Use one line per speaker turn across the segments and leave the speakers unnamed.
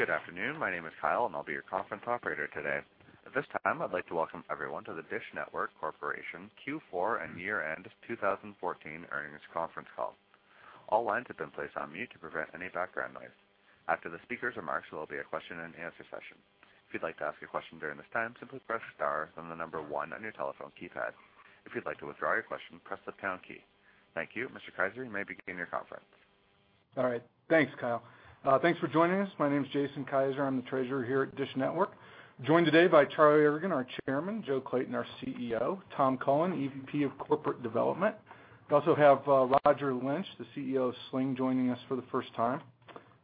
Good afternoon. My name is Kyle, and I'll be your conference operator today. At this time, I'd like to welcome everyone to the DISH Network Corporation Q4 and year-end 2014 earnings conference call. All lines have been placed on mute to prevent any background noise. After the speakers' remarks, there will be a question-and-answer session. If you'd like to ask a question during this time, simply press star, then the number one on your telephone keypad. If you'd like to withdraw your question, press the pound key. Thank you. Mr. Kiser, you may begin your conference.
All right. Thanks, Kyle. Thanks for joining us. My name is Jason Kiser. I'm the Treasurer here at DISH Network. Joined today by Charlie Ergen, our Chairman; Joe Clayton, our CEO; Tom Cullen, EVP of Corporate Development. We also have Roger Lynch, the CEO of Sling, joining us for the first time;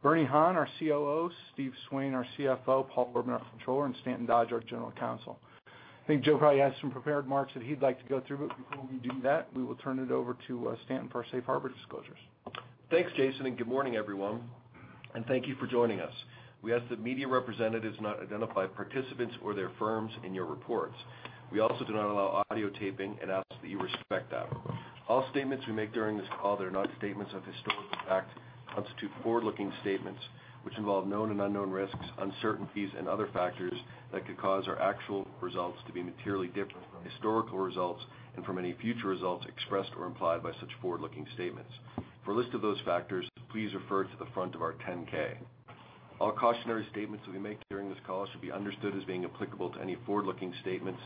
Bernie Han, our COO; Steve Swain, our CFO; Paul Orban, our Controller; and Stanton Dodge, our General Counsel. I think Joe probably has some prepared remarks that he'd like to go through, but before we do that, we will turn it over to Stanton for our safe harbor disclosure.
Thanks, Jason, and good morning, everyone, and thank you for joining us. We ask that media representatives not identify participants or their firms in your reports. We also do not allow audio taping and ask that you respect that. All statements we make during this call that are not statements of historical fact constitute forward-looking statements, which involve known and unknown risks, uncertainties and other factors that could cause our actual results to be materially different from historical results and from any future results expressed or implied by such forward-looking statements. For a list of those factors, please refer to the front of our 10-K. All cautionary statements that we make during this call should be understood as being applicable to any forward-looking statements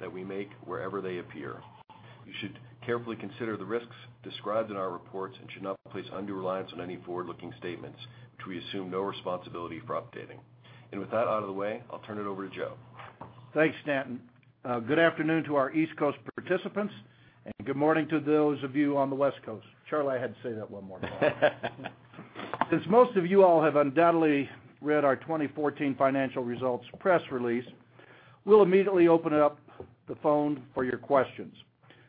that we make wherever they appear. You should carefully consider the risks described in our reports and should not place undue reliance on any forward-looking statements, which we assume no responsibility for updating. With that out of the way, I'll turn it over to Joe.
Thanks, Stanton. Good afternoon to our East Coast participants, and good morning to those of you on the West Coast. Charlie, I had to say that one more time. Since most of you all have undoubtedly read our 2014 financial results press release, we'll immediately open up the phone for your questions.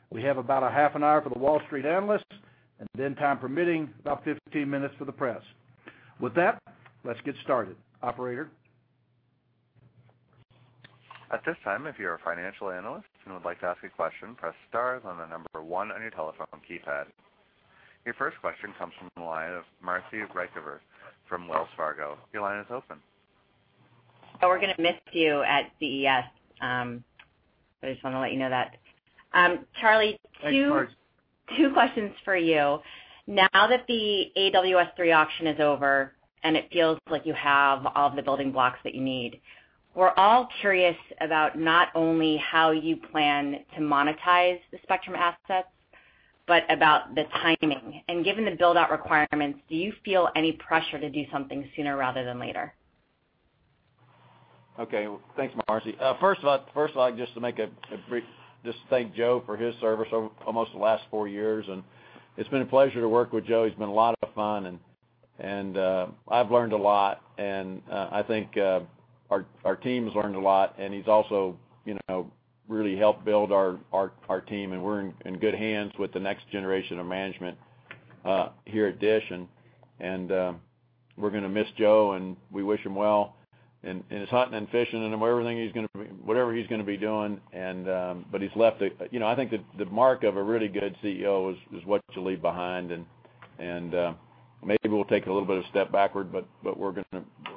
We have about a half an hour for the Wall Street analysts and then time permitting, about 15 minutes for the press. With that, let's get started. Operator?
Your first question comes from the line of Marci Ryvicker from Wells Fargo. Your line is open.
We're gonna miss you at CES, I just wanna let you know that. Two questions for you. Now that the AWS-3 auction is over and it feels like you have all the building blocks that you need, we're all curious about not only how you plan to monetize the spectrum assets, but about the timing. Given the build-out requirements, do you feel any pressure to do something sooner rather than later?
Okay. Thanks, Marci. First of all, just to thank Joe for his service over almost the last four years. It's been a pleasure to work with Joe. He's been a lot of fun, I've learned a lot, I think our team has learned a lot, and he's also, you know, really helped build our team, and we're in good hands with the next generation of management here at DISH. We're going to miss Joe, and we wish him well in his hunting and fishing and whatever he's going to be doing. But he's left a, you know, I think the mark of a really good CEO is what you leave behind and, maybe we'll take a little bit of step backward, but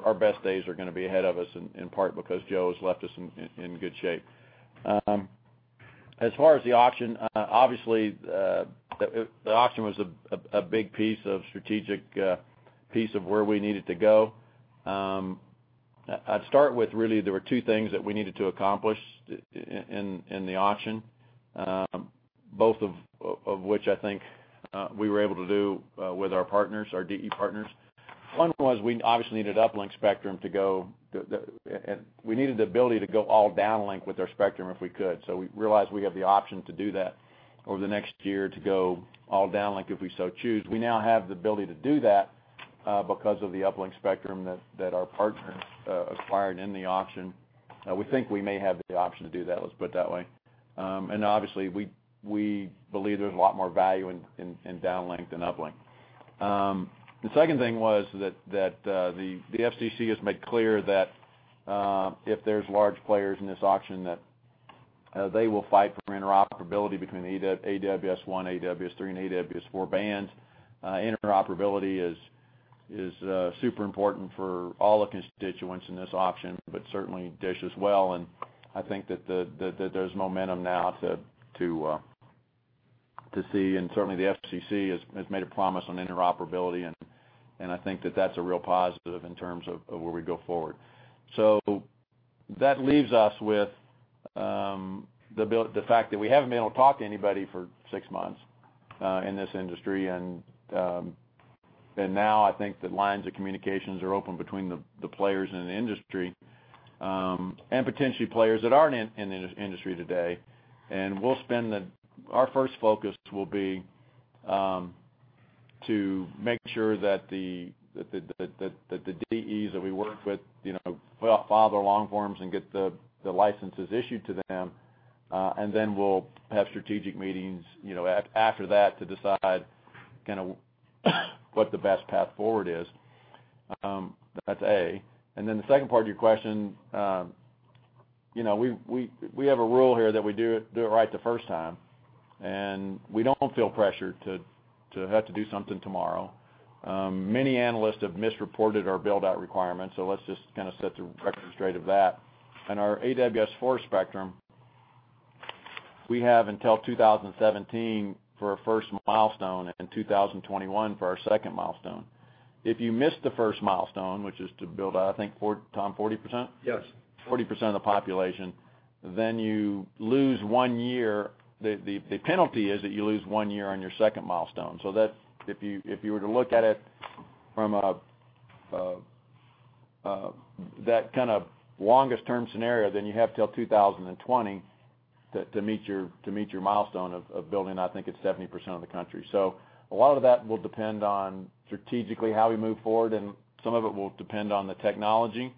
our best days are gonna be ahead of us, in part because Joe has left us in good shape. As far as the auction, obviously, the auction was a big piece of strategic, piece of where we needed to go. I'd start with really there were two things that we needed to accomplish in the auction, both of which I think we were able to do with our partners, our DE partners. One was we obviously needed uplink spectrum. We needed the ability to go all downlink with our spectrum if we could. We realized we have the option to do that over the next year to go all downlink if we so choose. We now have the ability to do that because of the uplink spectrum that our partners acquired in the auction. We think we may have the option to do that, let's put it that way. Obviously we believe there's a lot more value in downlink than uplink. The second thing was that the FCC has made clear that if there's large players in this auction, that they will fight for interoperability between AWS-1, AWS-3 and AWS-4 bands. Interoperability is super important for all the constituents in this auction, but certainly DISH as well. I think that there's momentum now to see, and certainly the FCC has made a promise on interoperability and I think that that's a real positive in terms of where we go forward. That leaves us with the fact that we haven't been able to talk to anybody for six months in this industry. Now I think the lines of communications are open between the players in the industry and potentially players that aren't in industry today. Our first focus will be to make sure that the DEs that we work with, you know, file their long forms and get the licenses issued to them. Then we'll have strategic meetings, you know, after that to decide kinda what the best path forward is. That's A. Then the second part of your question, you know, we have a rule here that we do it right the first time, and we don't feel pressured to have to do something tomorrow. Many analysts have misreported our build-out requirements, so let's just kinda set the record straight of that. In our AWS-4 spectrum, we have until 2017 for a first milestone and 2021 for our second milestone. If you miss the first milestone, which is to build, I think Tom, 40%?
Yes.
40% of the population, then you lose one year. The penalty is that you lose one year on your second milestone. That's if you were to look at it from a that kind of longest term scenario, then you have till 2020 to meet your milestone of building, I think it's 70% of the country. A lot of that will depend on strategically how we move forward, and some of it will depend on the technology.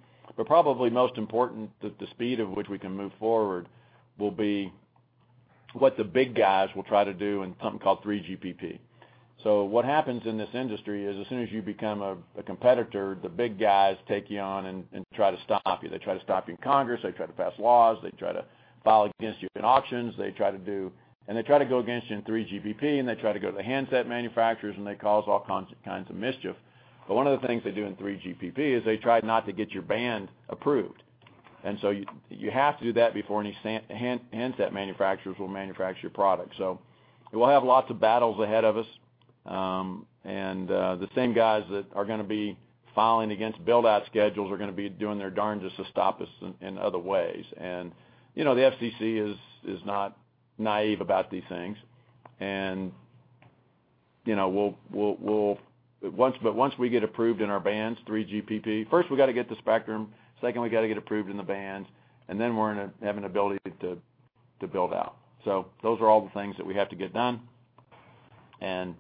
Probably most important, the speed of which we can move forward will be what the big guys will try to do in something called 3GPP. What happens in this industry is as soon as you become a competitor, the big guys take you on and try to stop you. They try to stop you in Congress, they try to pass laws, they try to file against you in auctions, they try to go against you in 3GPP, they try to go to the handset manufacturers, they cause all kinds of mischief. One of the things they do in 3GPP is they try not to get your band approved. You have to do that before any handset manufacturers will manufacture your product. We'll have lots of battles ahead of us, the same guys that are gonna be filing against build-out schedules are gonna be doing their darnedest to stop us in other ways. You know, the FCC is not naive about these things. You know, once we get approved in our bands, 3GPP, first, we gotta get the spectrum, second, we gotta get approved in the bands, and then we have an ability to build out. Those are all the things that we have to get done, and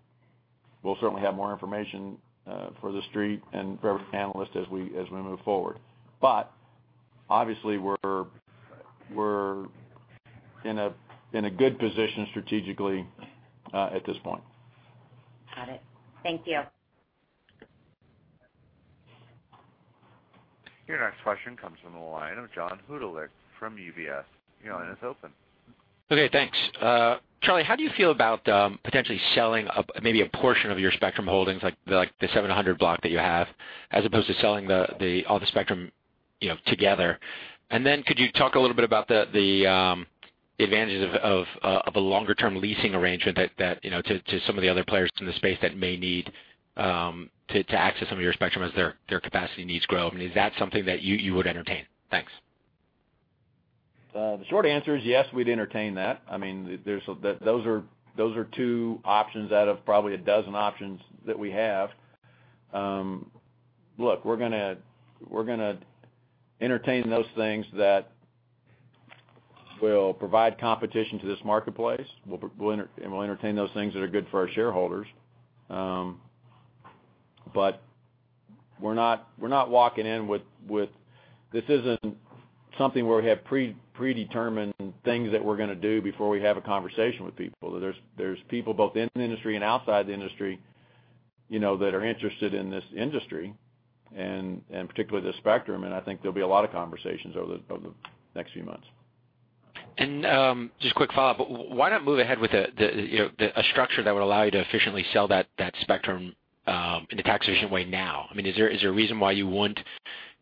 we'll certainly have more information for the street and for every analyst as we move forward. Obviously, we're in a good position strategically at this point.
Got it. Thank you.
Your next question comes from the line of John Hodulik from UBS. Your line is open.
Okay, thanks. Charlie, how do you feel about potentially selling a portion of your spectrum holdings, like the 700 block that you have, as opposed to selling all the spectrum together? Could you talk a little bit about the advantages of a longer-term leasing arrangement that to some of the other players in the space that may need to access some of your spectrum as their capacity needs grow? Is that something that you would entertain? Thanks.
The short answer is yes, we'd entertain that. I mean, there's those are two options out of probably 12 options that we have. Look, we're gonna entertain those things that will provide competition to this marketplace. We'll entertain those things that are good for our shareholders. We're not walking in with This isn't something where we have predetermined things that we're gonna do before we have a conversation with people. There's people both in the industry and outside the industry, you know, that are interested in this industry and particularly the spectrum, and I think there'll be a lot of conversations over the next few months.
Just a quick follow-up. Why not move ahead with you know, a structure that would allow you to efficiently sell that spectrum in a tax-efficient way now? I mean, is there a reason why you wouldn't,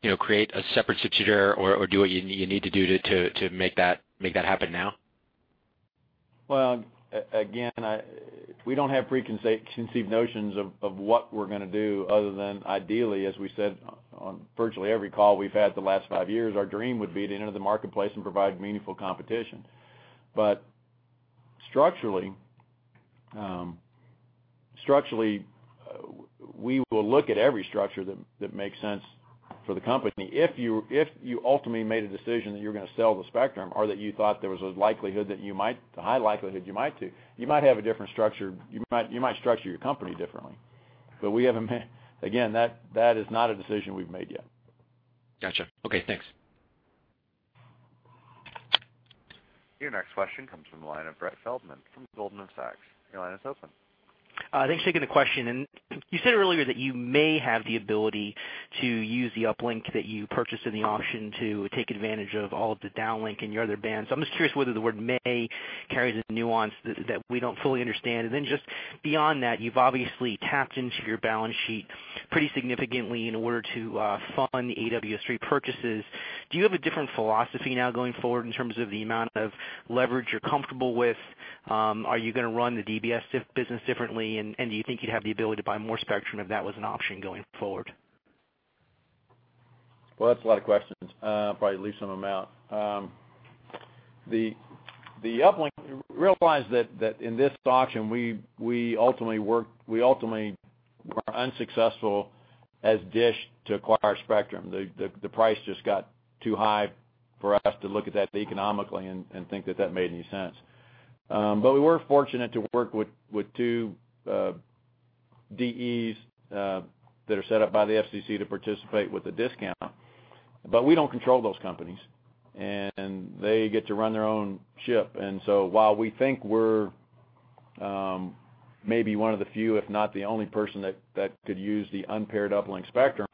you know, create a separate subsidiary or do what you need to do to make that happen now?
Well, again, we don't have preconceived notions of what we're gonna do other than ideally, as we said on virtually every call we've had the last five years, our dream would be to enter the marketplace and provide meaningful competition. Structurally, we will look at every structure that makes sense for the company. If you ultimately made a decision that you were gonna sell the spectrum or that you thought there was a likelihood that you might, a high likelihood you might do, you might have a different structure. You might structure your company differently. Again, that is not a decision we've made yet.
Gotcha. Okay, thanks.
Your next question comes from the line of Brett Feldman from Goldman Sachs. Your line is open.
Thanks for taking the question. You said earlier that you may have the ability to use the uplink that you purchased in the auction to take advantage of all of the downlink in your other bands. I'm just curious whether the word may carries a nuance that we don't fully understand. Beyond that, you've obviously tapped into your balance sheet pretty significantly in order to fund AWS-3 purchases. Do you have a different philosophy now going forward in terms of the amount of leverage you're comfortable with? Are you gonna run the DBS business differently? Do you think you'd have the ability to buy more spectrum if that was an option going forward?
Well, that's a lot of questions. I'll probably leave some of them out. Realize that in this auction, we ultimately were unsuccessful as DISH to acquire spectrum. The price just got too high for us to look at that economically and think that made any sense. We were fortunate to work with two DEs that are set up by the FCC to participate with a discount. We don't control those companies, and they get to run their own ship. While we think we're maybe one of the few, if not the only person that could use the unpaired uplink spectrum,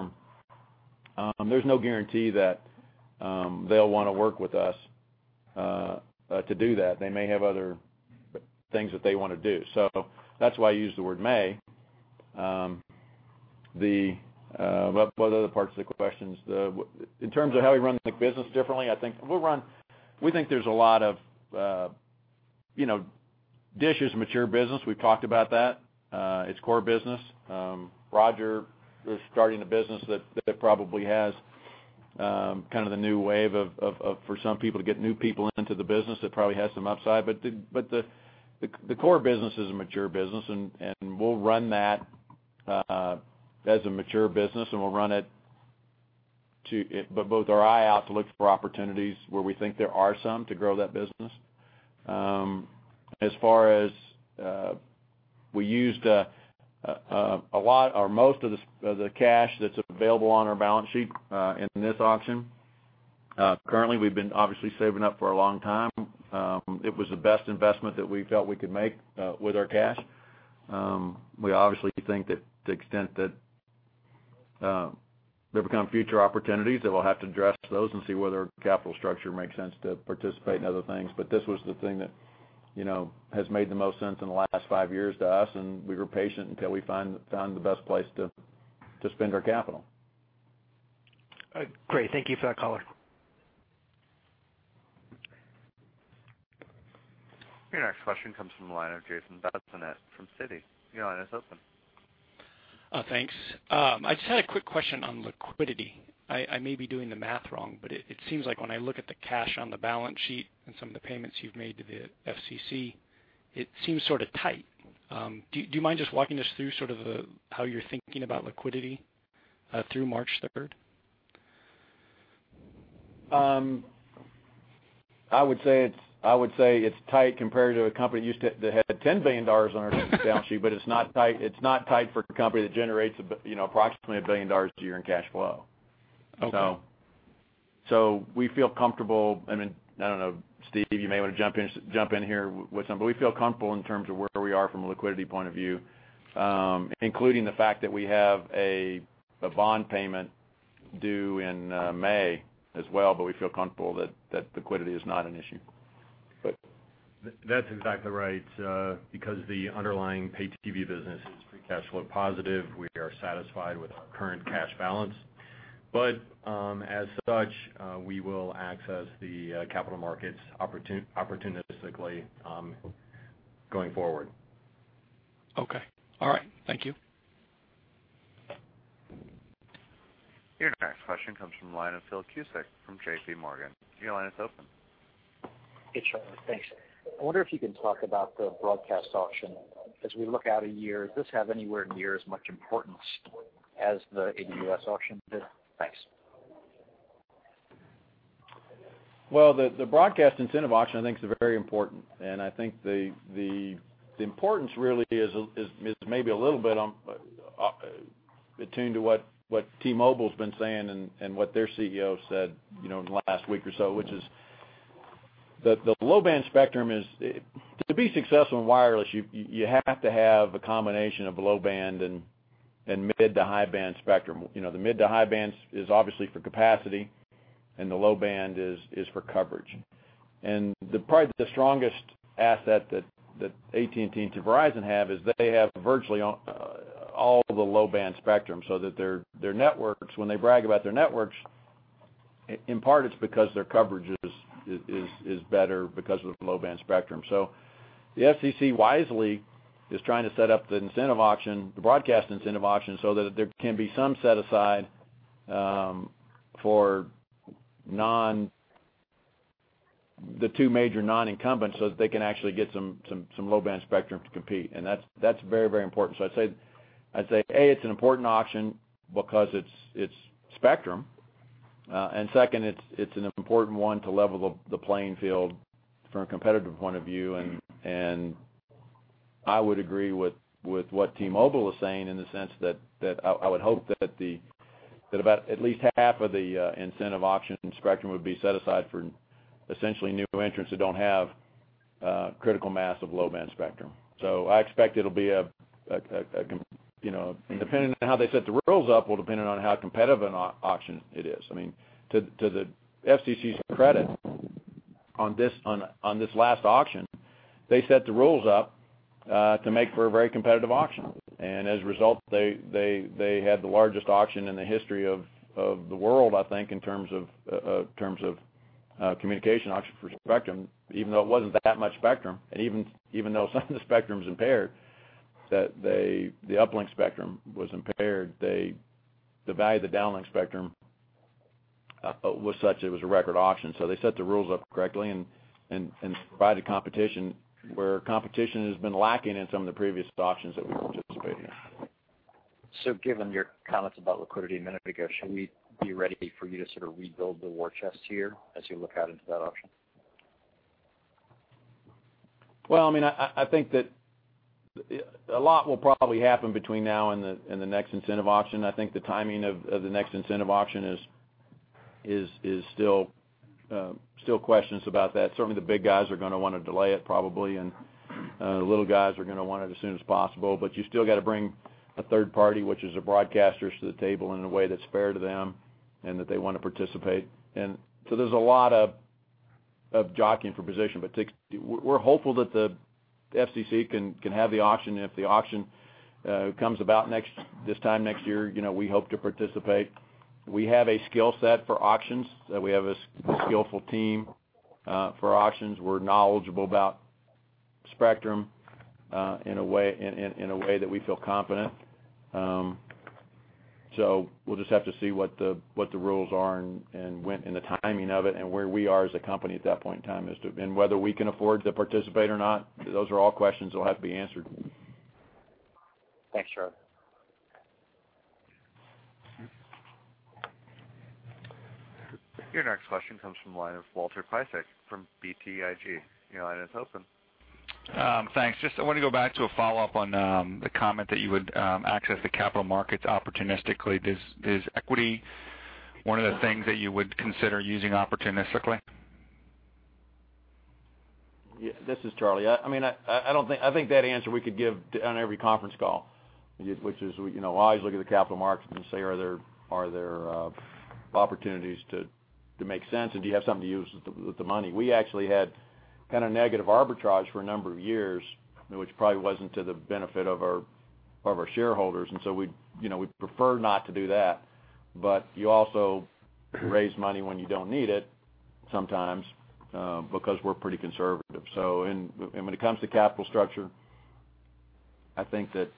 there's no guarantee that they'll want to work with us to do that. They may have other things that they want to do. That's why I use the word may. What are the other parts of the questions? In terms of how we run the business differently, I think We think there's a lot of, you know, DISH is a mature business. We've talked about that, its core business. Roger is starting a business that probably has, kind of the new wave of, for some people to get new people into the business that probably has some upside. The core business is a mature business and we'll run that as a mature business, and we'll run it but both our eye out to look for opportunities where we think there are some to grow that business. As far as we used a lot or most of the cash that's available on our balance sheet in this auction. Currently, we've been obviously saving up for a long time. It was the best investment that we felt we could make with our cash. We obviously think that the extent that there become future opportunities, that we'll have to address those and see whether capital structure makes sense to participate in other things. This was the thing that, you know, has made the most sense in the last five years to us, and we were patient until we found the best place to spend our capital.
Great. Thank you for that color.
Your next question comes from the line of Jason Bazinet from Citi. Your line is open.
Thanks. I just had a quick question on liquidity. I may be doing the math wrong, but it seems like when I look at the cash on the balance sheet and some of the payments you've made to the FCC, it seems sort of tight. Do you mind just walking us through sort of the, how you're thinking about liquidity through March third?
I would say it's tight compared to a company that had $10 billion on our balance sheet, but it's not tight, it's not tight for a company that generates, you know, approximately $1 billion a year in cash flow.
Okay.
We feel comfortable. I mean, I don't know, Steve, you may wanna jump in here with some. We feel comfortable in terms of where we are from a liquidity point of view, including the fact that we have a bond payment due in May as well, but we feel comfortable that liquidity is not an issue. Steve.
That's exactly right. Because the underlying paid TV business is free cash flow positive, we are satisfied with our current cash balance. As such, we will access the capital markets opportunistically going forward.
Okay. All right. Thank you.
Your next question comes from the line of Phil Cusick from J.P. Morgan. Your line is open.
Hey, Charlie. Thanks. I wonder if you can talk about the broadcast auction. As we look out a year, does this have anywhere near as much importance as the AWS auction did? Thanks.
Well, the broadcast incentive auction I think is very important. I think the importance really is maybe a little bit on attuned to what T-Mobile's been saying and what their CEO said, you know, in the last week or so, which is the low-band spectrum is. To be successful in wireless, you have to have a combination of low-band and mid to high-band spectrum. You know, the mid to high-bands is obviously for capacity, and the low-band is for coverage. Probably the strongest asset that AT&T and Verizon have is they have virtually all the low-band spectrum, so that their networks, when they brag about their networks, in part, it's because their coverage is better because of the low-band spectrum. The FCC wisely is trying to set up the incentive auction, the broadcast incentive auction, so that there can be some set aside for the two major non-incumbents, so that they can actually get some low-band spectrum to compete. That's very important. I'd say, A, it's an important auction because it's Spectrum. Second, it's an important one to level the playing field from a competitive point of view. I would agree with what T-Mobile is saying in the sense that I would hope that about at least half of the incentive auction spectrum would be set aside for essentially new entrants who don't have critical mass of low-band spectrum. I expect it'll be, you know, depending on how they set the rules up, will depend on how competitive an auction it is. I mean, to the FCC's credit, on this last auction, they set the rules up to make for a very competitive auction. As a result, they had the largest auction in the history of the world, I think, in terms of communication auction for spectrum, even though it wasn't that much spectrum, and even though some of the spectrum's impaired, the uplink spectrum was impaired, the value of the downlink spectrum was such it was a record auction. They set the rules up correctly and provided competition where competition has been lacking in some of the previous auctions that we participated in.
Given your comments about liquidity a minute ago, should we be ready for you to sort of rebuild the war chest here as you look out into that auction?
Well, I mean, I think that a lot will probably happen between now and the next incentive auction. I think the timing of the next incentive auction is still questions about that. Certainly, the big guys are gonna wanna delay it probably, and the little guys are gonna want it as soon as possible. You still gotta bring a third party, which is the broadcasters to the table in a way that's fair to them and that they wanna participate. There's a lot of jockeying for position. We're hopeful that the FCC can have the auction. If the auction comes about next, this time next year, you know, we hope to participate. We have a skill set for auctions. We have a skillful team for auctions. We're knowledgeable about spectrum in a way that we feel confident. We'll just have to see what the rules are and when, and the timing of it, and where we are as a company at that point in time. Whether we can afford to participate or not. Those are all questions that will have to be answered.
Thanks, Charlie.
Your next question comes from the line of Walter Piecyk from BTIG. Your line is open.
Thanks. Just I wanna go back to a follow-up on the comment that you would access the capital markets opportunistically. Is equity one of the things that you would consider using opportunistically?
Yeah, this is Charlie. I mean, I don't think that answer we could give on every conference call, which is, you know, always look at the capital markets and say, are there opportunities to make sense, and do you have something to use with the money? We actually had kind of negative arbitrage for a number of years, which probably wasn't to the benefit of our shareholders. So we'd, you know, we'd prefer not to do that. You also raise money when you don't need it sometimes, because we're pretty conservative. When it comes to capital structure, I think that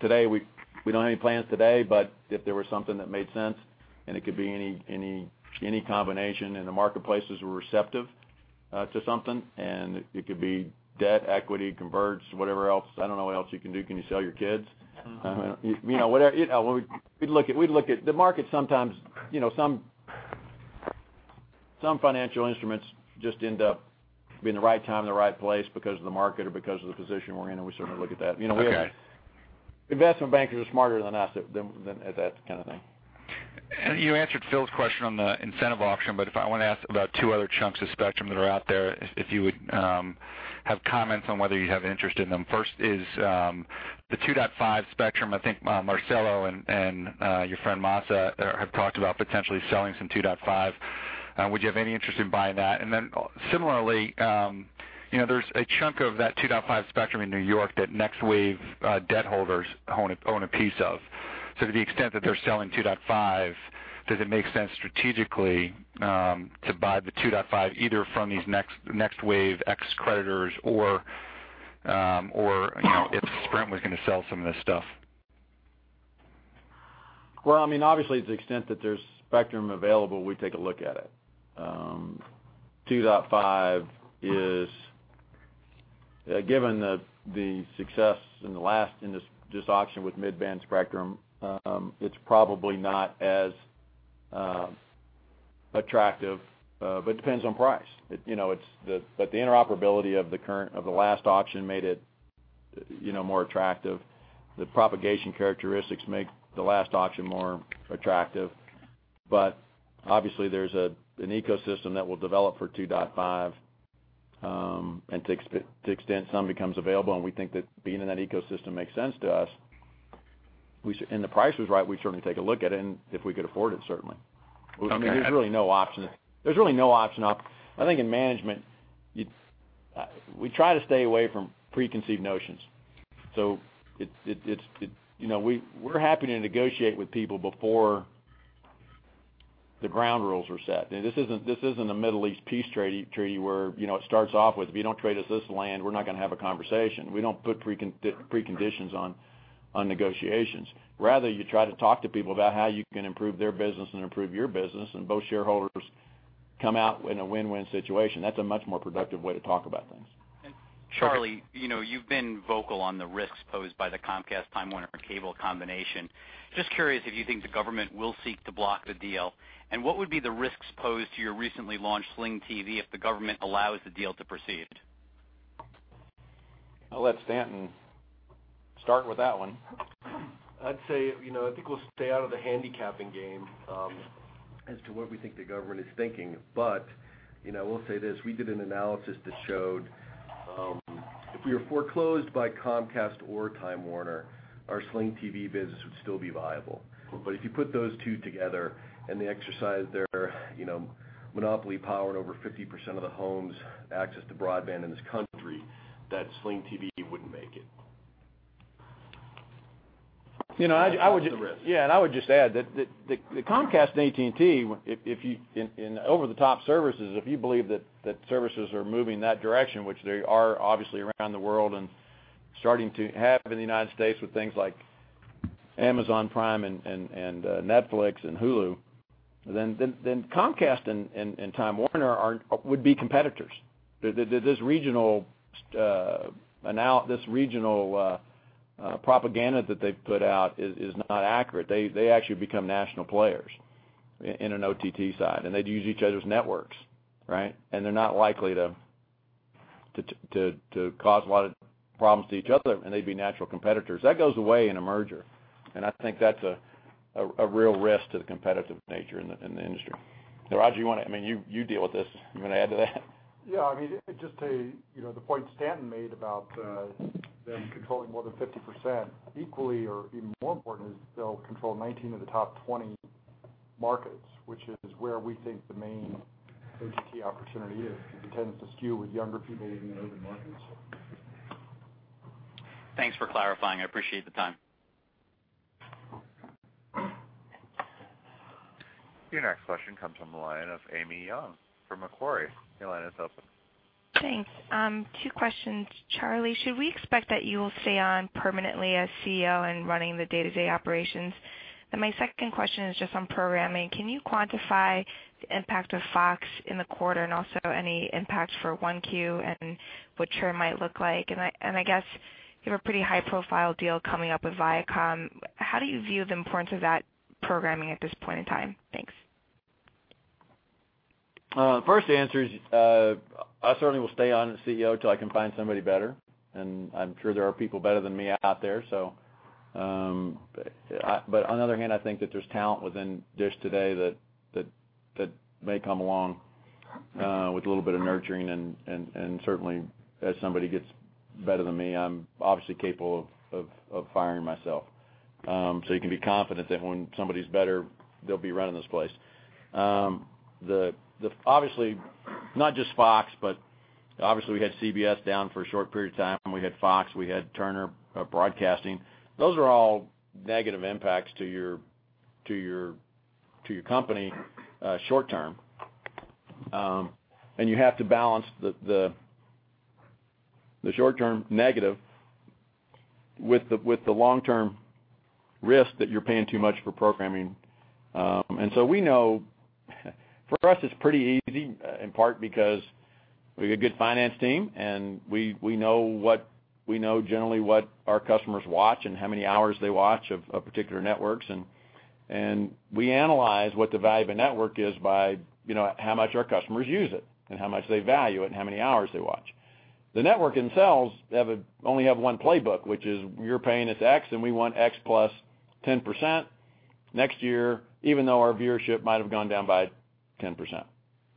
today we don't have any plans today, but if there was something that made sense, and it could be any combination, and the marketplace is receptive to something, and it could be debt, equity, converts, whatever else. I don't know what else you can do. Can you sell your kids? I mean, you know, whatever. You know, we'd look at the market sometimes, you know, some financial instruments just end up being in the right time, in the right place because of the market or because of the position we're in, and we certainly look at that.
Okay.
Investment bankers are smarter than us at, than at that kind of thing.
You answered Phil's question on the incentive auction. If I wanna ask about two other chunks of spectrum that are out there, if you would, have comments on whether you have interest in them. First is, the 2.5 spectrum. I think, Marcelo and your friend Masa are, have talked about potentially selling some 2.5. Would you have any interest in buying that? Similarly, you know, there's a chunk of that 2.5 spectrum in New York that NextWave, debt holders own a piece of. To the extent that they're selling 2.5, does it make sense strategically, to buy the 2.5, either from these NextWave ex-creditors or, you know, if Sprint was gonna sell some of this stuff?
Well, I mean, obviously, to the extent that there's spectrum available, we take a look at it. 2.5 is, given the success in the last, in this auction with mid-band spectrum, it's probably not as attractive, but depends on price. The interoperability of the last auction made it more attractive. The propagation characteristics make the last auction more attractive. Obviously, there's an ecosystem that will develop for 2.5, and to the extent some becomes available, and we think that being in that ecosystem makes sense to us, and the price was right, we'd certainly take a look at it, and if we could afford it, certainly.
Okay.
I mean, there's really no option. There's really no option. I think in management, you, we try to stay away from preconceived notions. It's, you know, we're happy to negotiate with people before the ground rules are set. This isn't a Middle East peace treaty where, you know, it starts off with, if you don't trade us this land, we're not gonna have a conversation. We don't put preconditions on negotiations. Rather, you try to talk to people about how you can improve their business and improve your business, and both shareholders come out in a win-win situation. That's a much more productive way to talk about things.
And Charlie-
Sure.
You know, you've been vocal on the risks posed by the Comcast Time Warner Cable combination. Just curious if you think the government will seek to block the deal, and what would be the risks posed to your recently launched Sling TV if the government allows the deal to proceed?
I'll let Stanton start with that one.
I'd say, you know, I think we'll stay out of the handicapping game as to what we think the government is thinking. You know, I will say this, we did an analysis that showed if we were foreclosed by Comcast or Time Warner, our Sling TV business would still be viable. If you put those two together and they exercise their, you know, monopoly power over 50% of the homes access to broadband in this country, that Sling TV wouldn't make it.
You know, I j- I would j-
That's the risk.
I would just add that Comcast and AT&T, if you in over-the-top services, if you believe that services are moving that direction, which they are obviously around the world and starting to have in the U.S. with things like Amazon Prime and Netflix and Hulu, then Comcast and Time Warner would be competitors. This regional propaganda that they've put out is not accurate. They actually become national players in an OTT side, they'd use each other's networks, right? They're not likely to cause a lot of problems to each other, and they'd be natural competitors. That goes away in a merger, and I think that's a real risk to the competitive nature in the industry Now, Roger, you wanna I mean, you deal with this. You wanna add to that?
Yeah. I mean, just to, you know, the point Stanton made about them controlling more than 50%, equally or even more important is they'll control 19 of the top 20 markets, which is where we think the main OTT opportunity is. It tends to skew with younger people living in urban markets.
Thanks for clarifying. I appreciate the time.
Your next question comes from the line of Amy Yong from Macquarie. Your line is open.
Thanks. Two questions. Charlie, should we expect that you will stay on permanently as CEO and running the day-to-day operations? My second question is just on programming. Can you quantify the impact of Fox in the quarter and also any impacts for 1Q and what churn might look like? I guess you have a pretty high-profile deal coming up with Viacom. How do you view the importance of that programming at this point in time? Thanks.
First answer is, I certainly will stay on as CEO till I can find somebody better, and I'm sure there are people better than me out there. On the other hand, I think that there's talent within DISH today that may come along, with a little bit of nurturing and certainly as somebody gets better than me, I'm obviously capable of firing myself. You can be confident that when somebody's better, they'll be running this place. Obviously, not just Fox, but obviously, we had CBS down for a short period of time. We had Fox, we had Turner Broadcasting. Those are all negative impacts to your company, short term. You have to balance the short-term negative with the long-term risk that you're paying too much for programming. We know for us, it's pretty easy, in part because we got a good finance team, and we know generally what our customers watch and how many hours they watch of particular networks. We analyze what the value of a network is by, you know, how much our customers use it and how much they value it and how many hours they watch. The network themselves only have one playbook, which is you're paying us X, and we want X plus 10% next year, even though our viewership might have gone down by 10%.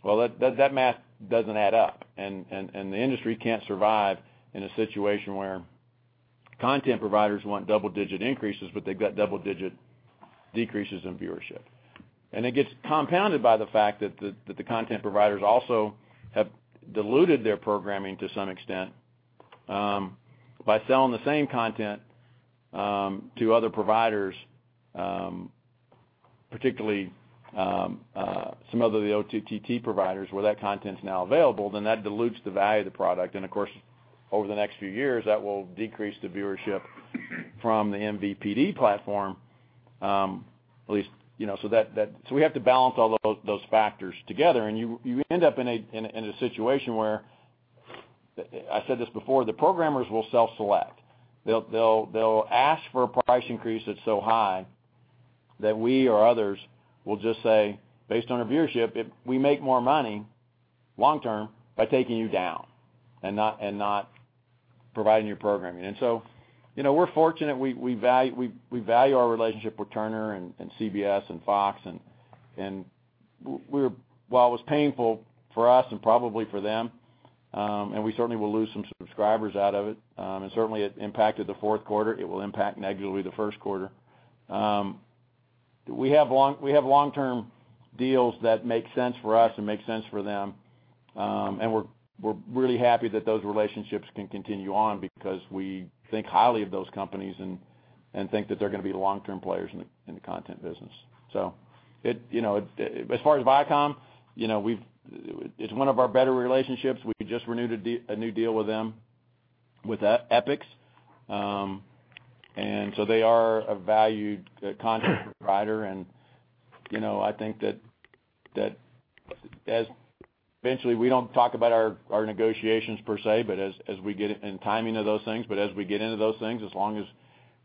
Well, that math doesn't add up, and the industry can't survive in a situation where content providers want double-digit increases, but they've got double-digit decreases in viewership. It gets compounded by the fact that the content providers also have diluted their programming to some extent by selling the same content to other providers, particularly some of the OTT providers where that content's now available, that dilutes the value of the product. Of course, over the next few years, that will decrease the viewership from the MVPD platform, at least, you know. We have to balance all those factors together, you end up in a situation where, I said this before, the programmers will self-select. They'll ask for a price increase that's so high that we or others will just say, "Based on our viewership, we make more money long term by taking you down and not providing your programming." You know, we're fortunate. We value our relationship with Turner and CBS and Fox. While it was painful for us and probably for them, and we certainly will lose some subscribers out of it, and certainly it impacted the fourth quarter, it will impact negatively the first quarter, we have long-term deals that make sense for us and make sense for them. We're really happy that those relationships can continue on because we think highly of those companies and think that they're gonna be long-term players in the content business. As far as Viacom, you know, it's one of our better relationships. We just renewed a new deal with them with EPIX. They are a valued content provider. You know, I think that as Eventually, we don't talk about our negotiations per se, but as we get into those things, as long as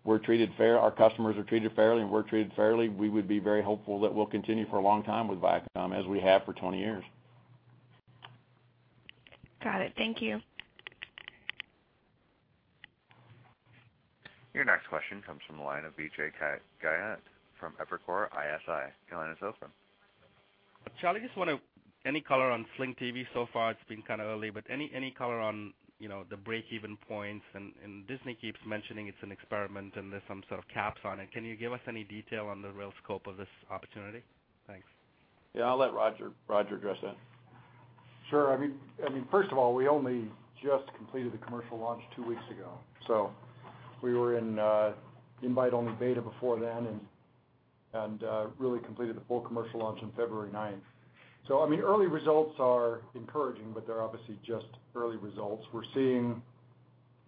we're treated fair, our customers are treated fairly, and we're treated fairly, we would be very hopeful that we'll continue for a long time with Viacom, as we have for 20 years.
Got it. Thank you.
Your next question comes from the line of Vijay Jayant from Evercore ISI. Your line is open.
Yeah, I'll let Roger address that.
Sure. I mean, first of all, we only just completed the commercial launch two weeks ago. We were in a invite-only beta before then and really completed the full commercial launch on February 9th. I mean, early results are encouraging, but they're obviously just early results. We're seeing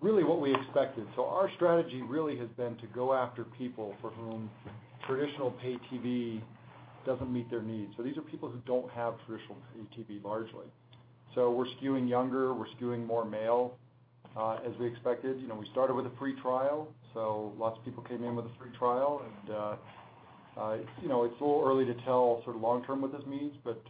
really what we expected. Our strategy really has been to go after people for whom traditional pay TV doesn't meet their needs. These are people who don't have traditional pay TV largely. We're skewing younger, we're skewing more male. As we expected, you know, we started with a free trial, lots of people came in with a free trial. You know, it's a little early to tell sort of long term what this means, but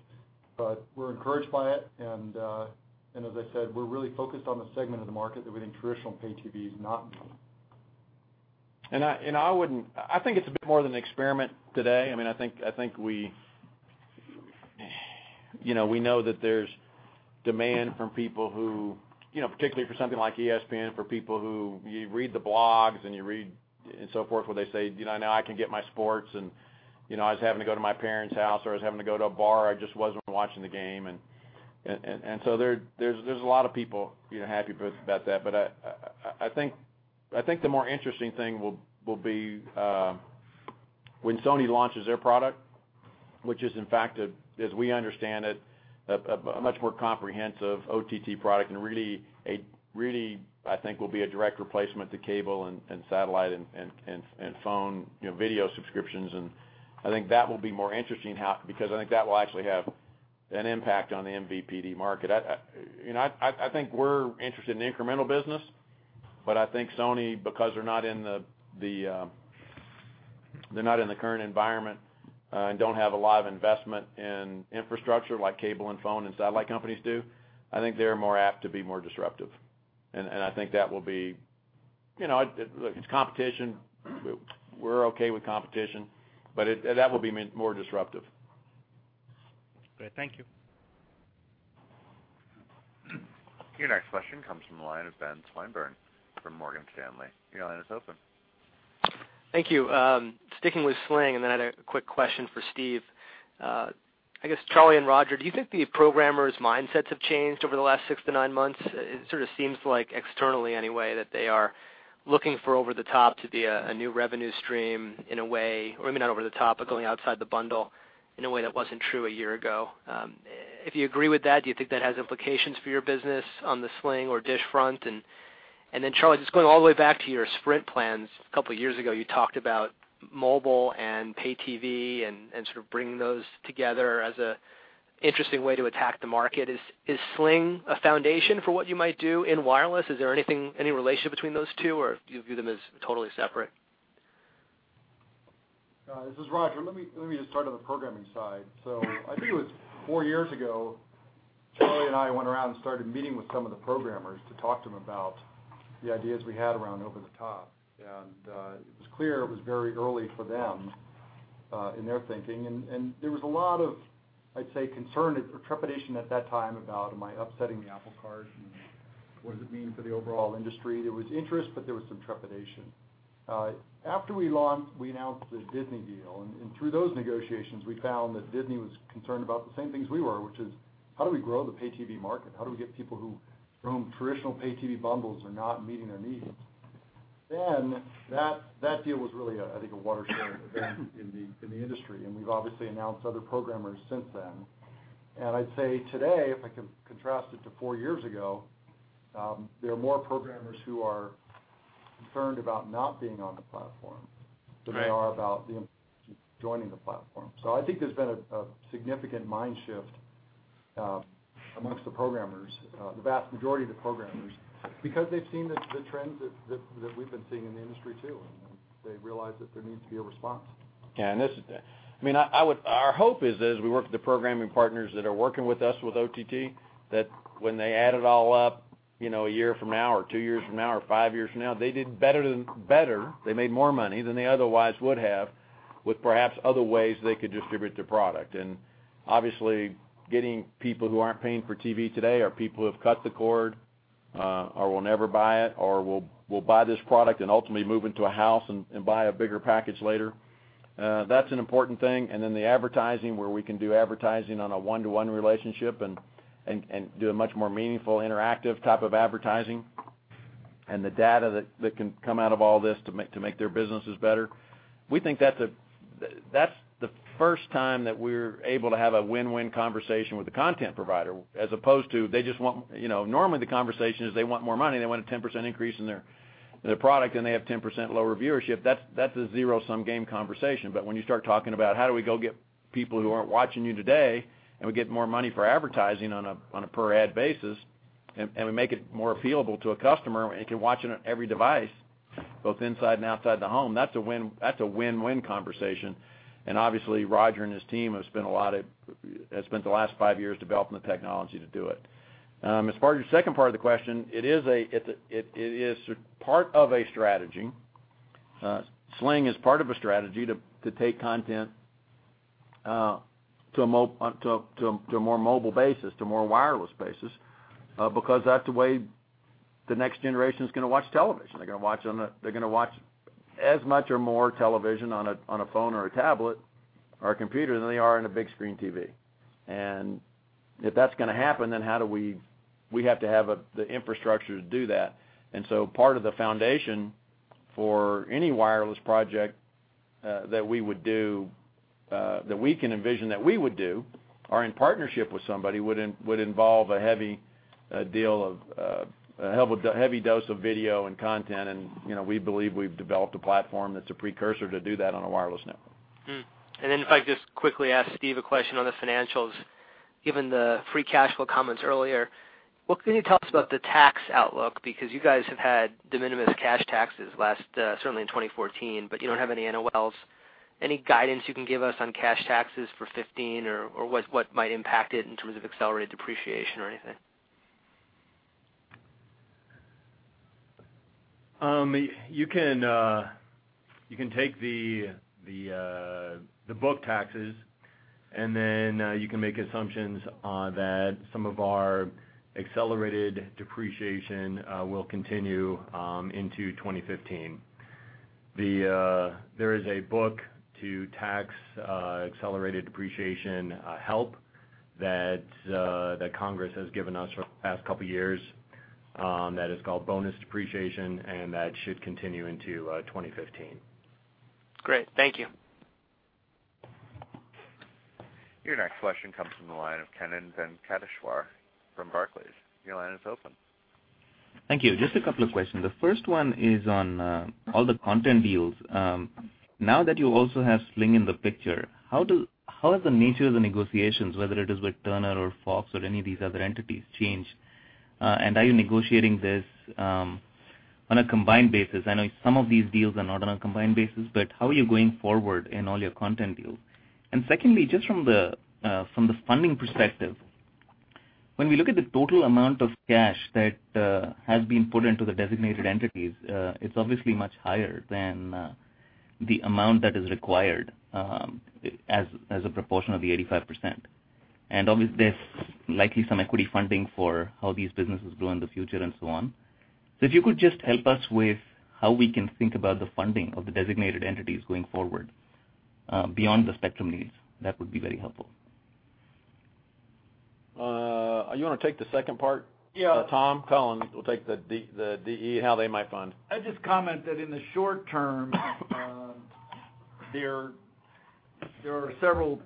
we're encouraged by it. As I said, we're really focused on the segment of the market that we think traditional pay TV is not meeting.
I think it's a bit more than an experiment today. I mean, I think we, you know, we know that there's demand from people who, you know, particularly for something like ESPN, for people who read the blogs and so forth, where they say, "You know, now I can get my sports," and, you know, "I was having to go to my parents' house or I was having to go to a bar. I just wasn't watching the game." There's a lot of people, you know, happy both about that. I think the more interesting thing will be when Sony launches their product, which is in fact, as we understand it, a much more comprehensive OTT product and really I think will be a direct replacement to cable and satellite and phone, you know, video subscriptions. I think that will be more interesting because I think that will actually have an impact on the MVPD market. I, you know, I think we're interested in incremental business, but I think Sony, because they're not in the current environment and don't have a lot of investment in infrastructure like cable and phone and satellite companies do, I think they're more apt to be more disruptive. I think that will be, you know. Look, it's competition. We're okay with competition, but that will be more disruptive.
Great. Thank you.
Your next question comes from the line of Ben Swinburne from Morgan Stanley. Your line is open.
Thank you. Sticking with Sling, I had a quick question for Steve. I guess, Charlie and Roger, do you think the programmers' mindsets have changed over the last six to nine months? It sort of seems like externally anyway, that they are looking for over-the-top to be a new revenue stream in a way, or maybe not over-the-top, but going outside the bundle in a way that wasn't true one year ago. If you agree with that, do you think that has implications for your business on the Sling or DISH front? Charlie, just going all the way back to your Sprint plans, a couple of years ago, you talked about mobile and pay TV and sort of bringing those together as a interesting way to attack the market. Is Sling a foundation for what you might do in wireless? Is there any relationship between those two, or do you view them as totally separate?
This is Roger. Let me just start on the programming side. I think it was four years ago, Charlie and I went around and started meeting with some of the programmers to talk to them about the ideas we had around over-the-top. It was clear it was very early for them in their thinking. There was a lot of, I'd say, concern or trepidation at that time about, am I upsetting the apple cart, and what does it mean for the overall industry? There was interest, there was some trepidation. After we launched, we announced the Disney deal, through those negotiations, we found that Disney was concerned about the same things we were, which is, how do we grow the pay TV market? How do we get people who, from traditional pay TV bundles are not meeting their needs? That deal was really a, I think, a watershed event in the industry, and we've obviously announced other programmers since then. I'd say today, if I can contrast it to four years ago, there are more programmers who are concerned about not being on the platform than they are about the importance of joining the platform. I think there's been a significant mind shift amongst the programmers, the vast majority of the programmers, because they've seen the trends that we've been seeing in the industry too, and they realize that there needs to be a response.
Yeah, this is I mean, Our hope is as we work with the programming partners that are working with us with OTT, that when they add it all up, you know, a year from now or two years from now or five years from now, they did better, they made more money than they otherwise would have with perhaps other ways they could distribute their product. Obviously, getting people who aren't paying for TV today are people who have cut the cord, or will never buy it, or will buy this product and ultimately move into a house and buy a bigger package later. That's an important thing. The advertising where we can do advertising on a one-to-one relationship and do a much more meaningful interactive type of advertising and the data that can come out of all this to make their businesses better, we think that's the first time that we're able to have a win-win conversation with the content provider as opposed to. You know, normally the conversation is they want more money, they want a 10% increase in their product, and they have 10% lower viewership. That's a zero-sum game conversation. When you start talking about how do we go get people who aren't watching you today, and we get more money for advertising on a per ad basis, and we make it more appealable to a customer and can watch it on every device, both inside and outside the home, that's a win, that's a win-win conversation. Obviously, Roger and his team have spent the last five years developing the technology to do it. As far as your second part of the question, it is part of a strategy. Sling is part of a strategy to take content to a more mobile basis, to a more wireless basis, because that's the way the next generation's gonna watch television. They're gonna watch as much or more television on a phone or a tablet or a computer than they are on a big screen TV. If that's gonna happen, we have to have the infrastructure to do that. Part of the foundation for any wireless project that we would do, that we can envision that we would do or in partnership with somebody would involve a heavy dose of video and content. You know, we believe we've developed a platform that's a precursor to do that on a wireless network.
If I could just quickly ask Steve a question on the financials. Given the free cash flow comments earlier, what can you tell us about the tax outlook? You guys have had de minimis cash taxes last, certainly in 2014, but you don't have any NOLs. Any guidance you can give us on cash taxes for 2015 or what might impact it in terms of accelerated depreciation or anything?
You can take the book taxes, and then you can make assumptions on that some of our accelerated depreciation will continue into 2015. There is a book to tax accelerated depreciation help that Congress has given us for the past couple years, that is called bonus depreciation, and that should continue into 2015.
Great. Thank you.
Your next question comes from the line of Kannan Venkateshwar from Barclays. Your line is open.
Thank you. Just a couple of questions. The first one is on all the content deals. Now that you also have Sling in the picture, how has the nature of the negotiations, whether it is with Turner or Fox or any of these other entities, changed? Are you negotiating this on a combined basis? I know some of these deals are not on a combined basis, how are you going forward in all your content deals? Secondly, just from the from the funding perspective, when we look at the total amount of cash that has been put into the designated entities, it's obviously much higher than the amount that is required as a proportion of the 85%. Obvious there's likely some equity funding for how these businesses grow in the future and so on. If you could just help us with how we can think about the funding of the designated entities going forward, beyond the spectrum needs, that would be very helpful.
You want to take the second part?
Yeah.
Tom? Stanton will take the DE how they might fund.
I'd just comment that in the short term, there are several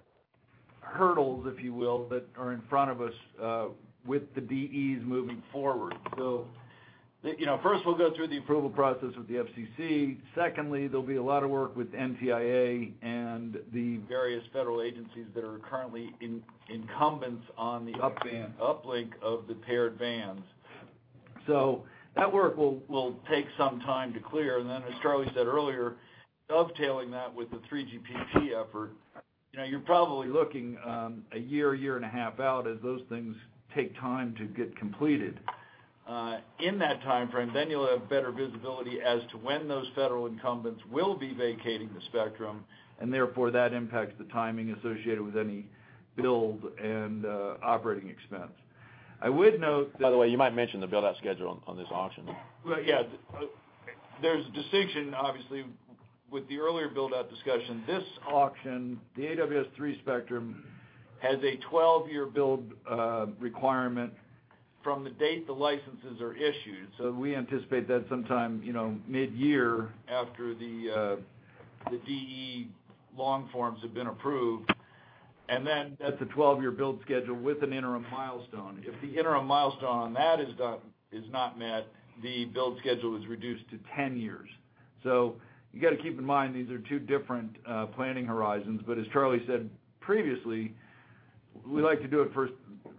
hurdles, if you will, that are in front of us with the DEs moving forward. First, you know, we'll go through the approval process with the FCC. Secondly, there'll be a lot of work with NTIA and the various federal agencies that are currently incumbents on the. Upband uplink of the paired bands. That work will take some time to clear. As Charlie said earlier, dovetailing that with the 3GPP effort, you know, you're probably looking a year and a half out as those things take time to get completed. In that timeframe, you'll have better visibility as to when those federal incumbents will be vacating the spectrum, and therefore that impacts the timing associated with any build and operating expense. I would note that.
By the way, you might mention the build-out schedule on this auction.
Well, yeah. There's distinction, obviously, with the earlier build-out discussion. This auction, the AWS-3 spectrum, has a 12-year build requirement from the date the licenses are issued. We anticipate that sometime, you know, midyear after the DE long forms have been approved. That's a 12-year build schedule with an interim milestone. If the interim milestone on that is not met, the build schedule is reduced to 10 years. You gotta keep in mind these are two different planning horizons. As Charlie said previously, we like to do it first,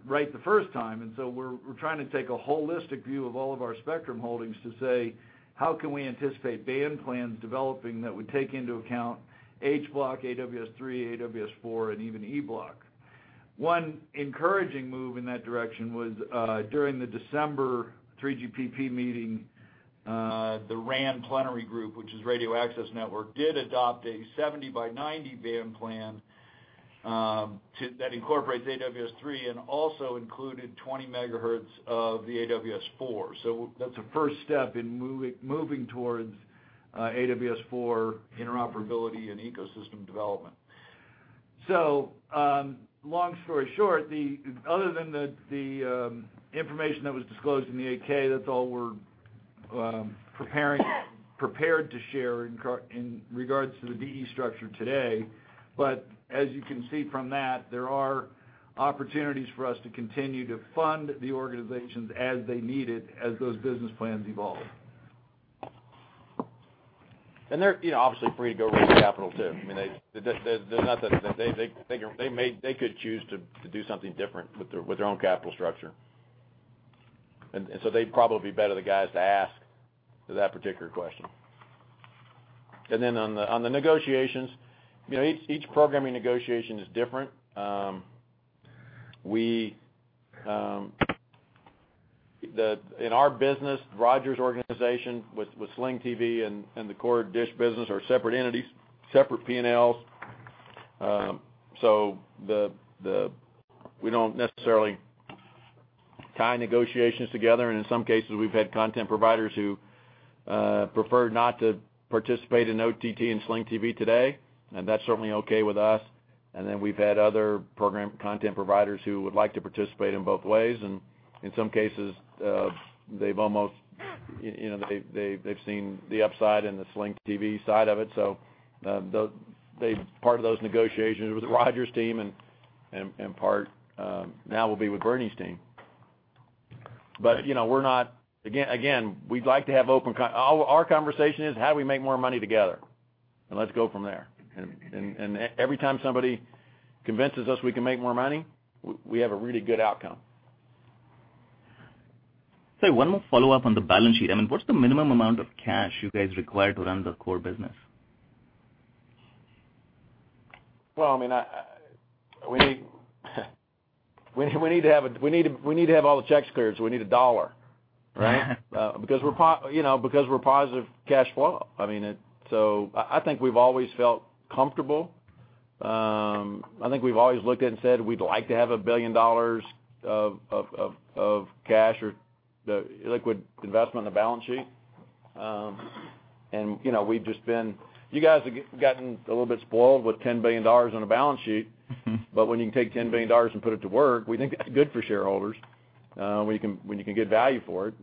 right the first time. We're trying to take a holistic view of all of our spectrum holdings to say, "How can we anticipate band plans developing that would take into account H Block, AWS-3, AWS-4, and even E Block?" One encouraging move in that direction was during the December 3GPP meeting, the RAN plenary group, which is Radio Access Network, did adopt a 70 by 90 band plan that incorporates AWS-3 and also included 20 megahertz of the AWS-4. That's a first step in moving towards AWS-4 interoperability and ecosystem development. Long story short, other than the information that was disclosed in the 8-K, that's all we're prepared to share in regards to the DE structure today. As you can see from that, there are opportunities for us to continue to fund the organizations as they need it, as those business plans evolve.
They're, you know, obviously free to go raise capital too. I mean, there's nothing. They could choose to do something different with their own capital structure. They'd probably be better the guys to ask that particular question. On the negotiations, you know, each programming negotiation is different. In our business, Roger's organization with Sling TV and the core DISH business are separate entities, separate P&Ls. We don't necessarily tie negotiations together, in some cases, we've had content providers who prefer not to participate in OTT and Sling TV today, and that's certainly okay with us. We've had other program content providers who would like to participate in both ways. In some cases, they've almost, you know, they've seen the upside and the Sling TV side of it. Part of those negotiations with Roger's team and part now will be with Bernie's team. You know, we're not again. We'd like to have open conversation. Our conversation is how do we make more money together? Let's go from there. Every time somebody convinces us we can make more money, we have a really good outcome.
Sorry, one more follow-up on the balance sheet. I mean, what's the minimum amount of cash you guys require to run the core business?
I mean, we need to have all the checks cleared, so we need $1, right? because we're, you know, because we're positive cash flow. I mean, I think we've always felt comfortable. I think we've always looked at it and said we'd like to have $1 billion of cash or the liquid investment on the balance sheet. And, you know, we've just been You guys have gotten a little bit spoiled with $10 billion on a balance sheet. When you can take $10 billion and put it to work, we think that's good for shareholders, when you can get value for it.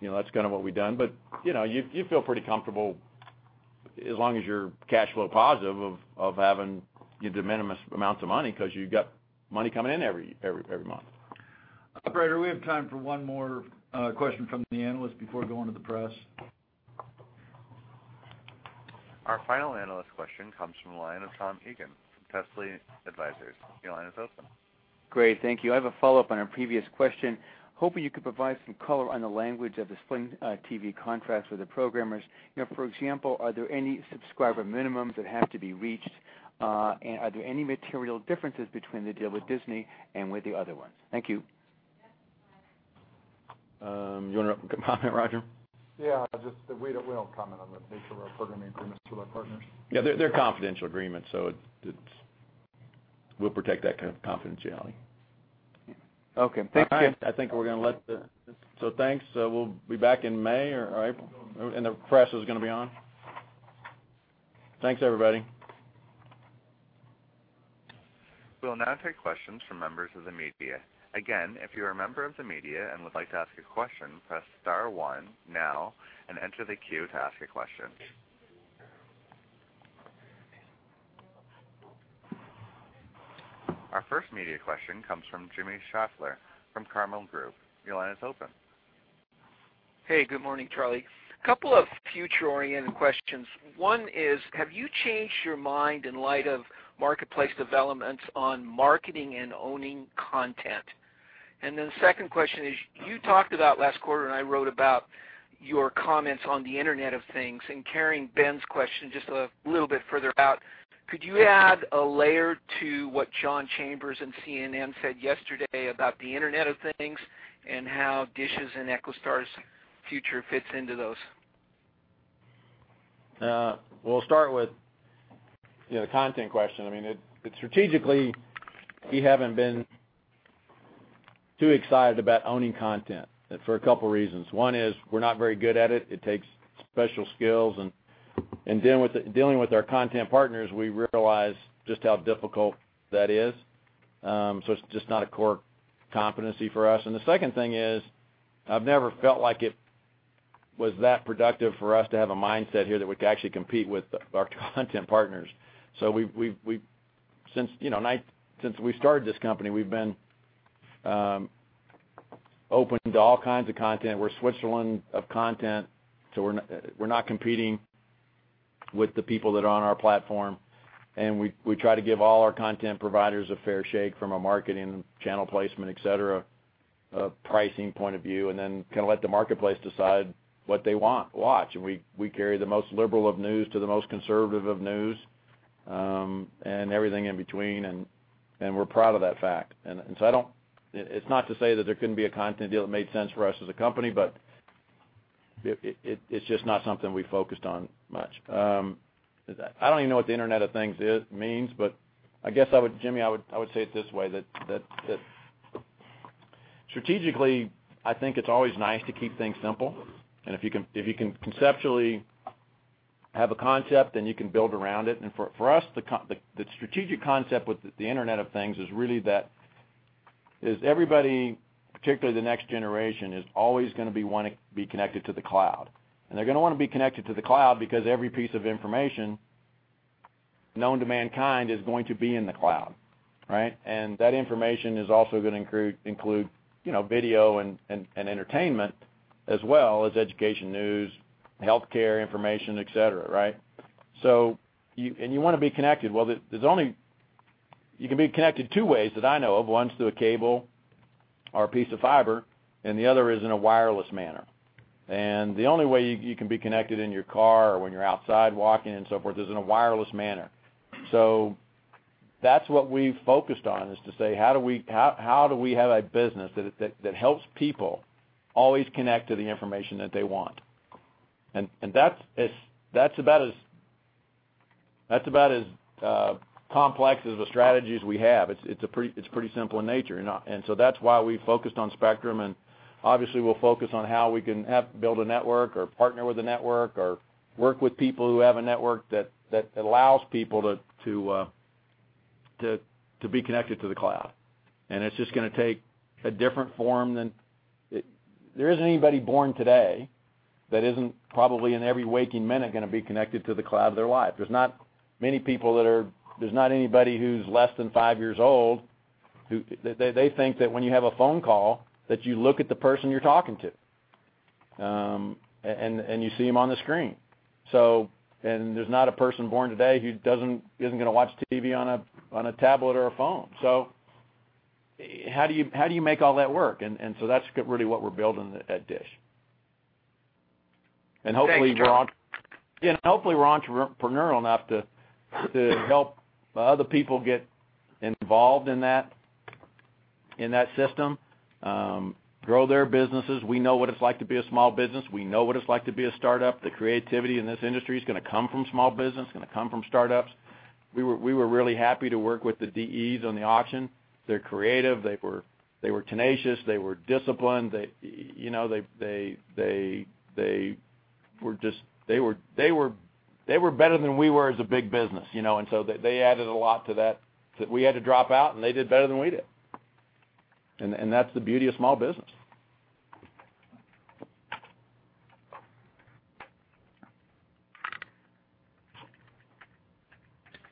You know, that's kind of what we've done. You know, you feel pretty comfortable as long as you're cash flow positive of having de minimis amounts of money 'cause you've got money coming in every month. Operator, do we have time for one more question from the analyst before going to the press?
Our final analyst question comes from the line of Tom Eagan from Telsey Advisory. Your line is open.
Great. Thank you. I have a follow-up on a previous question. Hoping you could provide some color on the language of the Sling TV contracts with the programmers. You know, for example, are there any subscriber minimums that have to be reached? Are there any material differences between the deal with Disney and with the other ones? Thank you.
You wanna comment, Roger?
Yeah, just that we don't comment on the nature of our programming agreements with our partners.
Yeah, they're confidential agreements, so we'll protect that confidentiality.
Okay. Thank you.
All right. Thanks. We'll be back in May or April. The press is gonna be on. Thanks, everybody.
We will now take questions from members of the media. Again, if you are a member of the media and would like to ask a question, press star one now and enter the queue to ask a question. Our first media question comes from Jimmy Schaeffler from Carmel Group. Your line is open.
Good morning, Charlie. Couple of future-oriented questions. One is, have you changed your mind in light of marketplace developments on marketing and owning content? The second question is, you talked about last quarter, and I wrote about your comments on the Internet of Things. Carrying Ben's question just a little bit further out, could you add a layer to what John Chambers and CNN said yesterday about the Internet of Things and how DISH's and EchoStar's future fits into those?
We'll start with, you know, the content question. I mean, it, strategically, we haven't been too excited about owning content for a couple reasons. One is we're not very good at it. It takes special skills, and dealing with our content partners, we realize just how difficult that is. So it's just not a core competency for us. And the second thing is, I've never felt like it was that productive for us to have a mindset here that we could actually compete with our content partners. So we've Since, you know, since we started this company, we've been open to all kinds of content. We're Switzerland of content, so we're not competing with the people that are on our platform. We try to give all our content providers a fair shake from a marketing, channel placement, et cetera, pricing point of view, and then kind of let the marketplace decide what they want, watch. We carry the most liberal of news to the most conservative of news, and everything in between, and we're proud of that fact. It's not to say that there couldn't be a content deal that made sense for us as a company, but it's just not something we focused on much. I don't even know what the Internet of Things means, but I guess I would, Jimmy, I would say it this way, that strategically, I think it's always nice to keep things simple. If you can conceptually have a concept, then you can build around it. For us, the strategic concept with the Internet of Things is really that everybody, particularly the next generation, is always going to be wanting to be connected to the cloud. They're going to want to be connected to the cloud because every piece of information known to mankind is going to be in the cloud, right? That information is also going to include, you know, video and entertainment as well as education, news, healthcare information, et cetera, right? You want to be connected. Well, there's only You can be connected 2 ways that I know of. One's through a cable or a piece of fiber, and the other is in a wireless manner. The only way you can be connected in your car or when you're outside walking and so forth is in a wireless manner. That's what we focused on, is to say, "How do we have a business that helps people always connect to the information that they want?" That's about as complex as the strategies we have. It's pretty simple in nature. That's why we focused on spectrum, and obviously, we'll focus on how we can build a network or partner with a network or work with people who have a network that allows people to be connected to the cloud. It's just going to take a different form than there isn't anybody born today that isn't probably in every waking minute going to be connected to the cloud their life. They think that when you have a phone call that you look at the person you're talking to and you see them on the screen. And there's not a person born today who isn't going to watch TV on a tablet or a phone. How do you make all that work? That's really what we're building at DISH. Hopefully we're entrepreneurial enough to help other people get involved in that, in that system, grow their businesses. We know what it's like to be a small business. We know what it's like to be a startup. The creativity in this industry is gonna come from small business, gonna come from startups. We were really happy to work with the DEs on the auction. They're creative. They were tenacious. They were disciplined. They, you know, they were better than we were as a big business, you know? They added a lot to that. We had to drop out, and they did better than we did. That's the beauty of small business.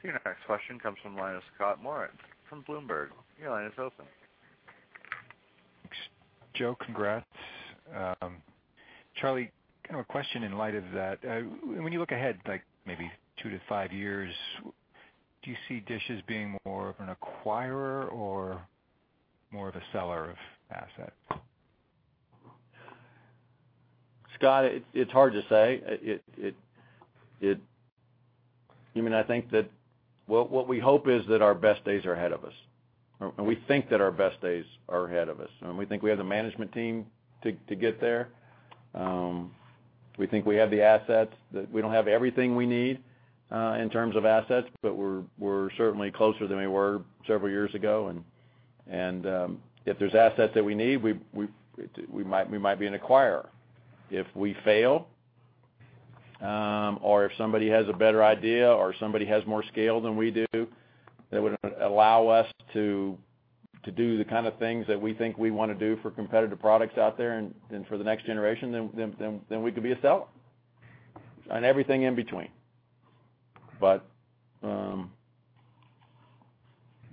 Your next question comes from the line of Scott Moritz from Bloomberg. Your line is open.
Thanks. Joe, congrats. Charlie, kind of a question in light of that. When you look ahead, like maybe two to five years, do you see DISH as being more of an acquirer or more of a seller of asset?
Scott, it's hard to say. I mean, I think that what we hope is that our best days are ahead of us. We think that our best days are ahead of us, and we think we have the management team to get there. We think we have the assets. That we don't have everything we need in terms of assets, but we're certainly closer than we were several years ago. If there's assets that we need, we might be an acquirer. If we fail, or if somebody has a better idea, or somebody has more scale than we do that would allow us to do the kind of things that we think we wanna do for competitive products out there and for the next generation, then we could be a seller, and everything in between.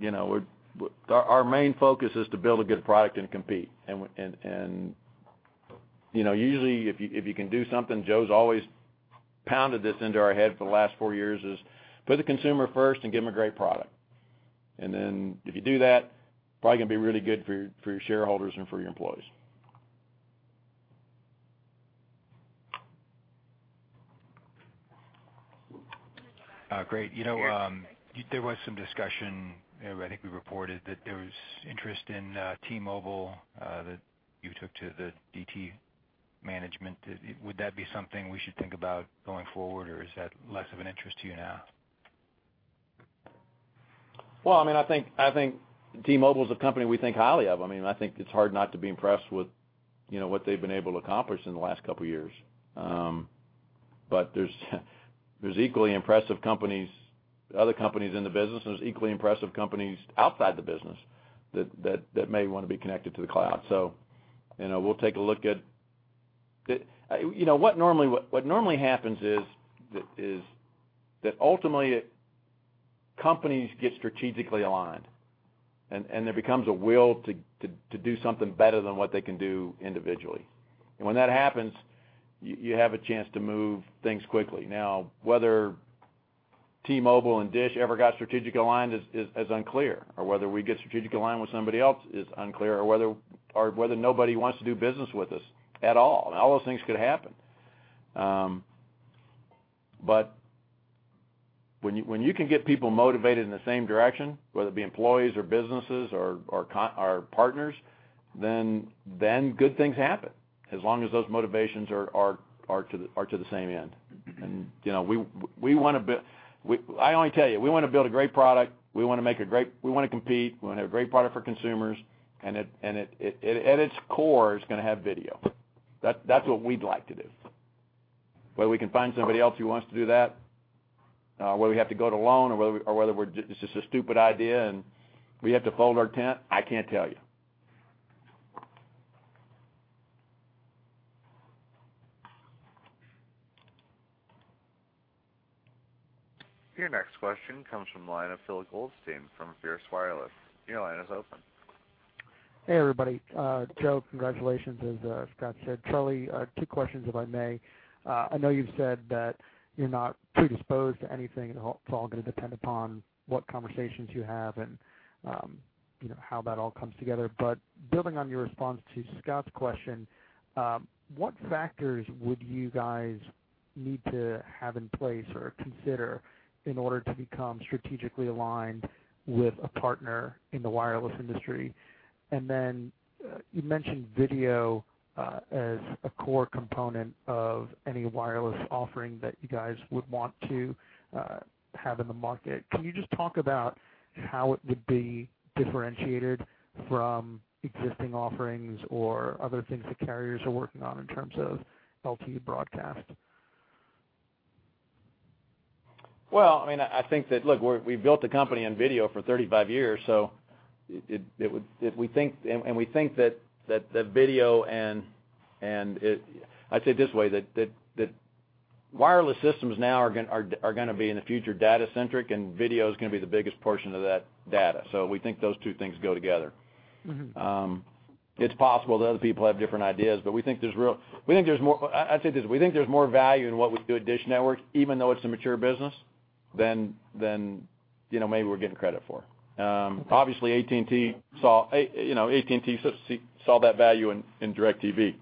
You know, our main focus is to build a good product and compete. You know, usually if you can do something, Joe's always pounded this into our head for the last four years, is put the consumer first and give them a great product. If you do that, probably gonna be really good for your, for your shareholders and for your employees.
Great. You know, there was some discussion, you know, I think we reported that there was interest in T-Mobile that you took to the DE management. Would that be something we should think about going forward, or is that less of an interest to you now?
Well, I mean, I think, I think T-Mobile is a company we think highly of. I mean, I think it's hard not to be impressed with, you know, what they've been able to accomplish in the last couple years. There's equally impressive companies, other companies in the business, and there's equally impressive companies outside the business that may wanna be connected to the cloud. You know, we'll take a look at what normally happens is that ultimately companies get strategically aligned, and there becomes a will to do something better than what they can do individually. When that happens, you have a chance to move things quickly. Now, whether T-Mobile and DISH ever got strategic aligned is unclear, or whether we get strategically aligned with somebody else is unclear, or whether nobody wants to do business with us at all. All those things could happen. When you can get people motivated in the same direction, whether it be employees or businesses or partners, then good things happen as long as those motivations are to the same end. You know, we wanna build a great product. We wanna compete. We wanna have a great product for consumers, and it, at its core, it's gonna have video. That's what we'd like to do. Whether we can find somebody else who wants to do that, whether we have to go it alone or whether it's just a stupid idea and we have to fold our tent, I can't tell you.
Your next question comes from the line of Phil Goldstein from FierceWireless. Your line is open.
Hey, everybody. Joe, congratulations, as Scott said. Charlie, two questions, if I may. I know you've said that you're not predisposed to anything. It's all gonna depend upon what conversations you have and, you know, how that all comes together. Building on your response to Scott's question, what factors would you guys need to have in place or consider in order to become strategically aligned with a partner in the wireless industry? Then, you mentioned video as a core component of any wireless offering that you guys would want to have in the market. Can you just talk about how it would be differentiated from existing offerings or other things that carriers are working on in terms of LTE Broadcast?
Well, I mean, I think that, look, we built a company in video for 35 years. And we think that the video and I'd say it this way, that wireless systems now are gonna be, in the future, data-centric, and video's gonna be the biggest portion of that data. We think those two things go together. It's possible that other people have different ideas, but we think there's more value in what we do at DISH Network, even though it's a mature business, than, you know, maybe we're given credit for. Obviously AT&T saw, you know, AT&T saw that value in DIRECTV.
Right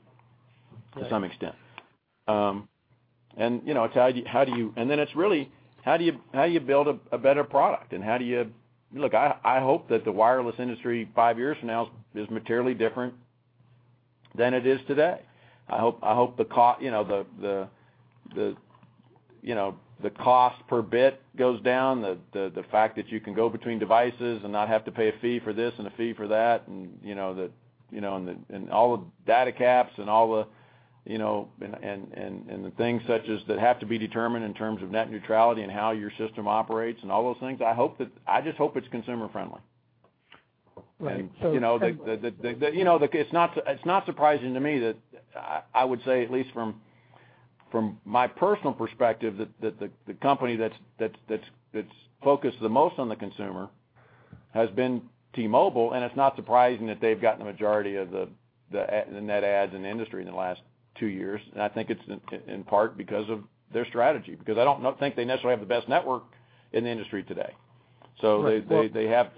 to some extent. You know, it's really, how do you build a better product? How do you Look, I hope that the wireless industry five years from now is materially different than it is today. I hope the cost per bit goes down. The fact that you can go between devices and not have to pay a fee for this and a fee for that and all the data caps and all the things such as that have to be determined in terms of net neutrality and how your system operates and all those things. I just hope it's consumer friendly.
Right. friendly.
You know, it's not surprising to me that I would say, at least from my personal perspective, that the company that's focused the most on the consumer has been T-Mobile, and it's not surprising that they've gotten the majority of the net adds in the industry in the last two years. I think it's in part because of their strategy. I don't think they necessarily have the best network in the industry today.
Right.
They, they have-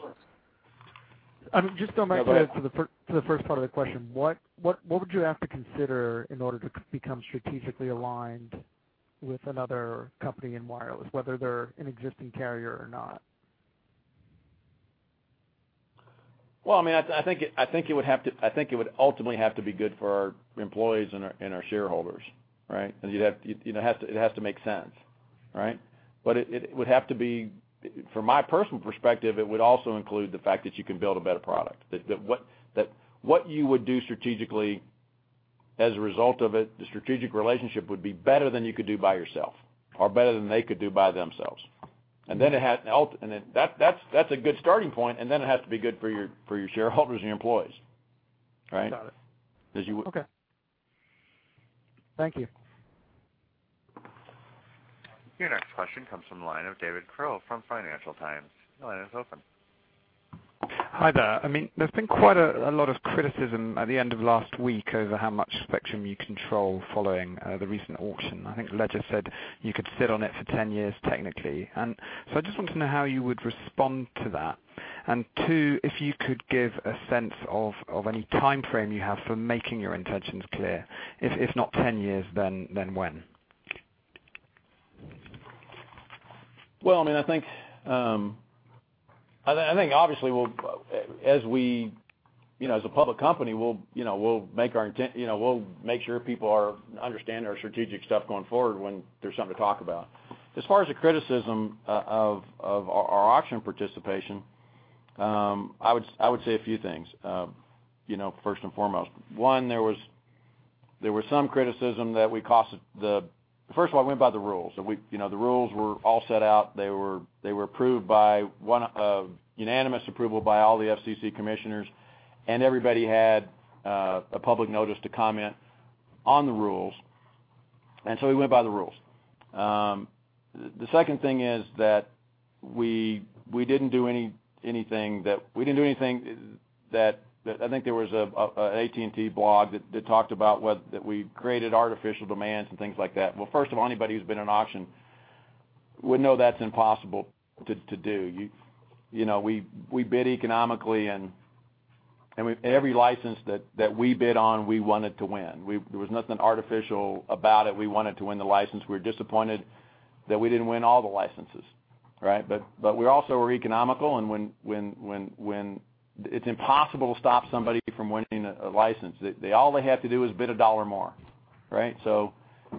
Just going back to the first part of the question. What would you have to consider in order to become strategically aligned with another company in wireless, whether they're an existing carrier or not?
Well, I mean, I think it would ultimately have to be good for our employees and our shareholders, right? You know, it has to make sense, right? It would have to be From my personal perspective, it would also include the fact that you can build a better product. What you would do strategically as a result of it, the strategic relationship would be better than you could do by yourself or better than they could do by themselves. That's a good starting point, and then it has to be good for your shareholders and your employees, right?
Got it.
As you w-
Okay. Thank you.
Your next question comes from the line of David Crow from Financial Times. Your line is open.
Hi there. I mean, there's been quite a lot of criticism at the end of last week over how much spectrum you control following the recent auction. I think Legere said you could sit on it for ten years technically. I just want to know how you would respond to that. Two, if you could give a sense of any timeframe you have for making your intentions clear. If not ten years, then when?
Well, I mean, I think, I think obviously we'll, as we, you know, as a public company, we'll, you know, we'll make our intent. You know, we'll make sure people are understanding our strategic stuff going forward when there's something to talk about. As far as the criticism of our auction participation, I would say a few things. You know, first and foremost, one, there was some criticism that we cost the First of all, we went by the rules. We, you know, the rules were all set out. They were approved by one of unanimous approval by all the FCC commissioners. Everybody had a public notice to comment on the rules. So we went by the rules. The second thing is that we didn't do anything that We didn't do anything that I think there was an AT&T blog that talked about what we created artificial demands and things like that. Well, first of all, anybody who's been in auction would know that's impossible to do. You know, we bid economically and we every license that we bid on, we wanted to win. There was nothing artificial about it. We wanted to win the license. We were disappointed that we didn't win all the licenses, right? We also were economical, and when it's impossible to stop somebody from winning a license. They all they have to do is bid $1 more, right?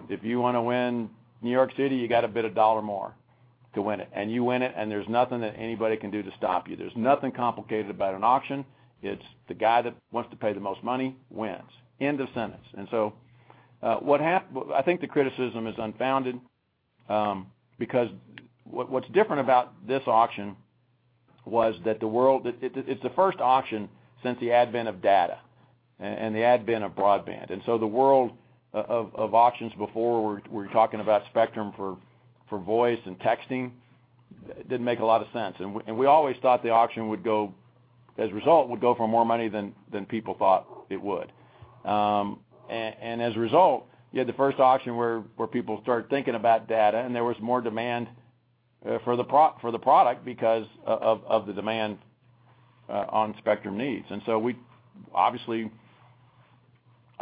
If you wanna win New York City, you gotta bid $1 more to win it. You win it, and there's nothing that anybody can do to stop you. There's nothing complicated about an auction. It's the guy that wants to pay the most money wins, end of sentence. I think the criticism is unfounded, because what's different about this auction was that the world, it's the first auction since the advent of data and the advent of broadband. The world of auctions before were talking about spectrum for voice and texting. Didn't make a lot of sense. We always thought the auction would go, as a result, would go for more money than people thought it would. As a result, you had the first auction where people started thinking about data, and there was more demand for the product because of the demand on spectrum needs. You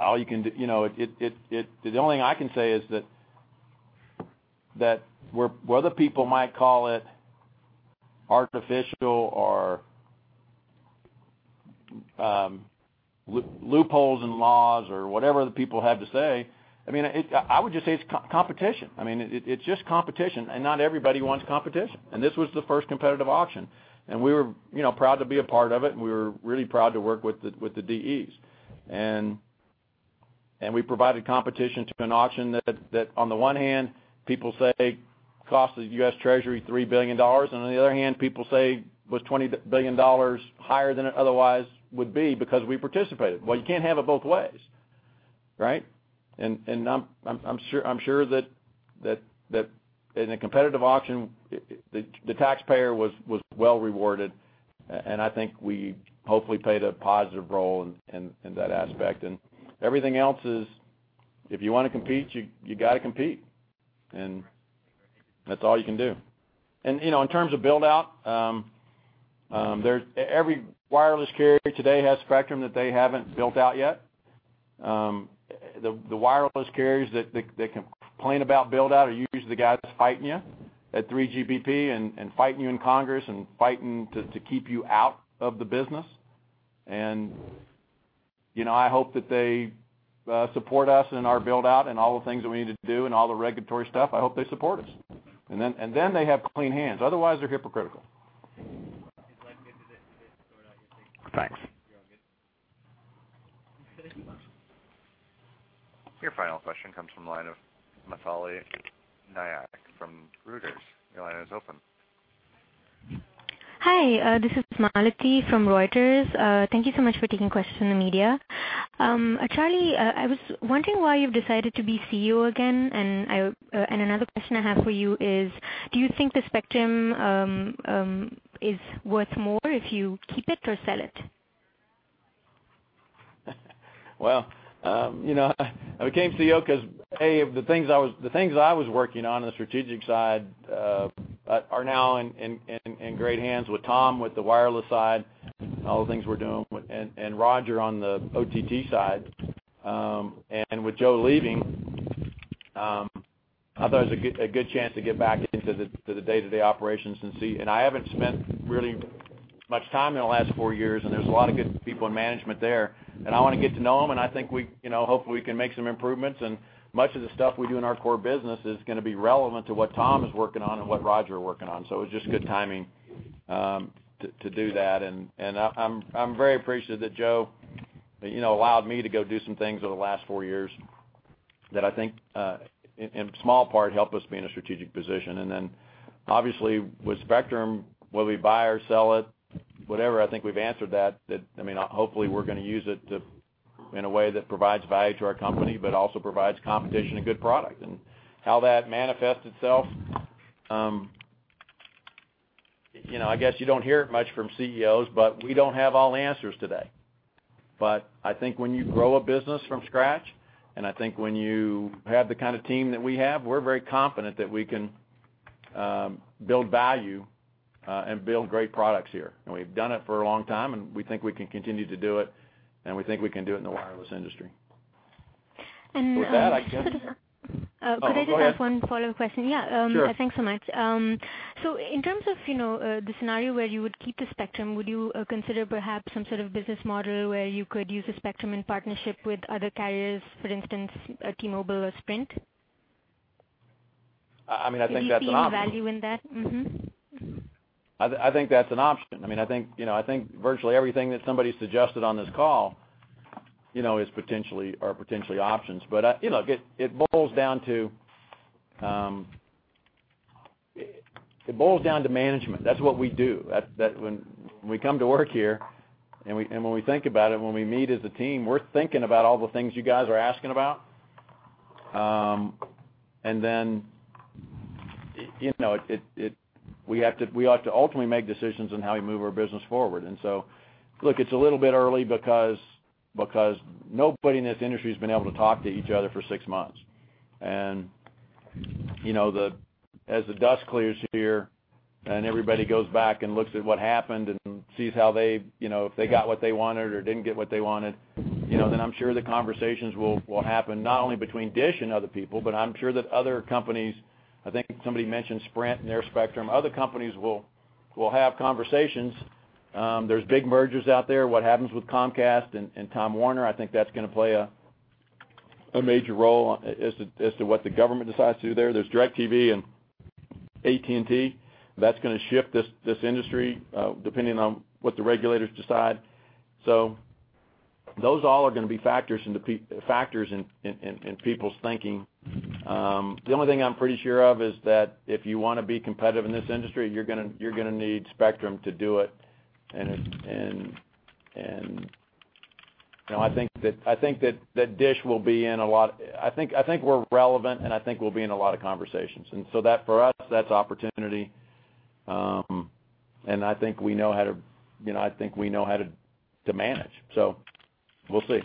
know, the only thing I can say is that whether people might call it artificial or loopholes in laws or whatever the people have to say, I mean, I would just say it's competition. It's just competition, and not everybody wants competition. This was the first competitive auction, and we were, you know, proud to be a part of it, and we were really proud to work with the DEs. We provided competition to an auction that on the one hand, people say cost the U.S. Treasury $3 billion and on the other hand, people say was $20 billion higher than it otherwise would be because we participated. Well, you can't have it both ways, right? I'm sure that in a competitive auction, the taxpayer was well-rewarded. I think we hopefully played a positive role in that aspect. Everything else is, if you wanna compete, you gotta compete, and that's all you can do. You know, in terms of build out, every wireless carrier today has spectrum that they haven't built out yet. The wireless carriers that complain about build out are usually the guys that's fighting you at 3GPP and fighting you in Congress and fighting to keep you out of the business. You know, I hope that they support us in our build out and all the things that we need to do and all the regulatory stuff. I hope they support us. Then they have clean hands, otherwise they're hypocritical.
He's liking it today.
Thanks.
You're all good.
Your final question comes from the line of Malathi Nayak from Reuters. Your line is open.
Hi, this is Malathi from Reuters. Thank you so much for taking questions from the media. Charlie, I was wondering why you've decided to be CEO again, and another question I have for you is, do you think the spectrum is worth more if you keep it or sell it?
Well, you know, I became CEO 'cause A, the things I was working on the strategic side, are now in great hands with Tom, with the wireless side, all the things we're doing, and Roger on the OTT side. With Joe leaving, I thought it was a good chance to get back into the day-to-day operations and see. I haven't spent really much time in the last four years, and there's a lot of good people in management there, and I wanna get to know them, and I think we, you know, hopefully we can make some improvements. Much of the stuff we do in our core business is gonna be relevant to what Tom is working on and what Roger are working on. It was just good timing to do that. I'm very appreciative that Joe, you know, allowed me to go do some things over the last four years that I think, in small part helped us be in a strategic position. Obviously with spectrum, whether we buy or sell it, whatever, I think we've answered that. I mean, hopefully we're gonna use it in a way that provides value to our company, but also provides competition and good product. How that manifests itself, you know, I guess you don't hear it much from CEOs, but we don't have all the answers today. I think when you grow a business from scratch, and I think when you have the kind of team that we have, we're very confident that we can build value and build great products here. We've done it for a long time, and we think we can continue to do it, and we think we can do it in the wireless industry.
And, um-
With that.
Could I just-
Oh, go ahead
ask one follow-up question? Yeah.
Sure.
Thanks so much. In terms of, you know, the scenario where you would keep the spectrum, would you consider perhaps some sort of business model where you could use the spectrum in partnership with other carriers, for instance, T-Mobile or Sprint?
I mean, I think that's an option.
Would you see any value in that? Mm-hmm.
I think that's an option. I mean, I think, you know, I think virtually everything that somebody suggested on this call, you know, is potentially or are potentially options. I, you know, look, it boils down to management. That's what we do. When we come to work here and when we think about it, when we meet as a team, we're thinking about all the things you guys are asking about. Then, you know, it, we have to, we ought to ultimately make decisions on how we move our business forward. Look, it's a little bit early because nobody in this industry has been able to talk to each other for six months. You know, as the dust clears here and everybody goes back and looks at what happened and sees how they, you know, if they got what they wanted or didn't get what they wanted, you know, then I'm sure the conversations will happen not only between DISH and other people, but I'm sure that other companies, I think somebody mentioned Sprint and their spectrum, other companies will have conversations. There's big mergers out there. What happens with Comcast and Time Warner, I think that's gonna play a major role as to what the government decides to do there. There's DIRECTV and AT&T, that's gonna shift this industry, depending on what the regulators decide. Those all are gonna be factors in people's thinking. The only thing I'm pretty sure of is that if you wanna be competitive in this industry, you're gonna need spectrum to do it. You know, I think that DISH will be relevant, and I think we'll be in a lot of conversations. That, for us, that's opportunity. I think we know how to, you know, manage. We'll see.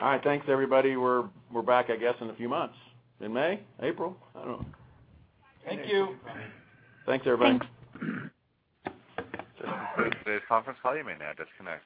All right. Thanks, everybody. We're back, I guess, in a few months. In May? April? I don't know.
Thank you.
Thanks, everybody.
Thanks.
Today's conference call, you may now disconnect.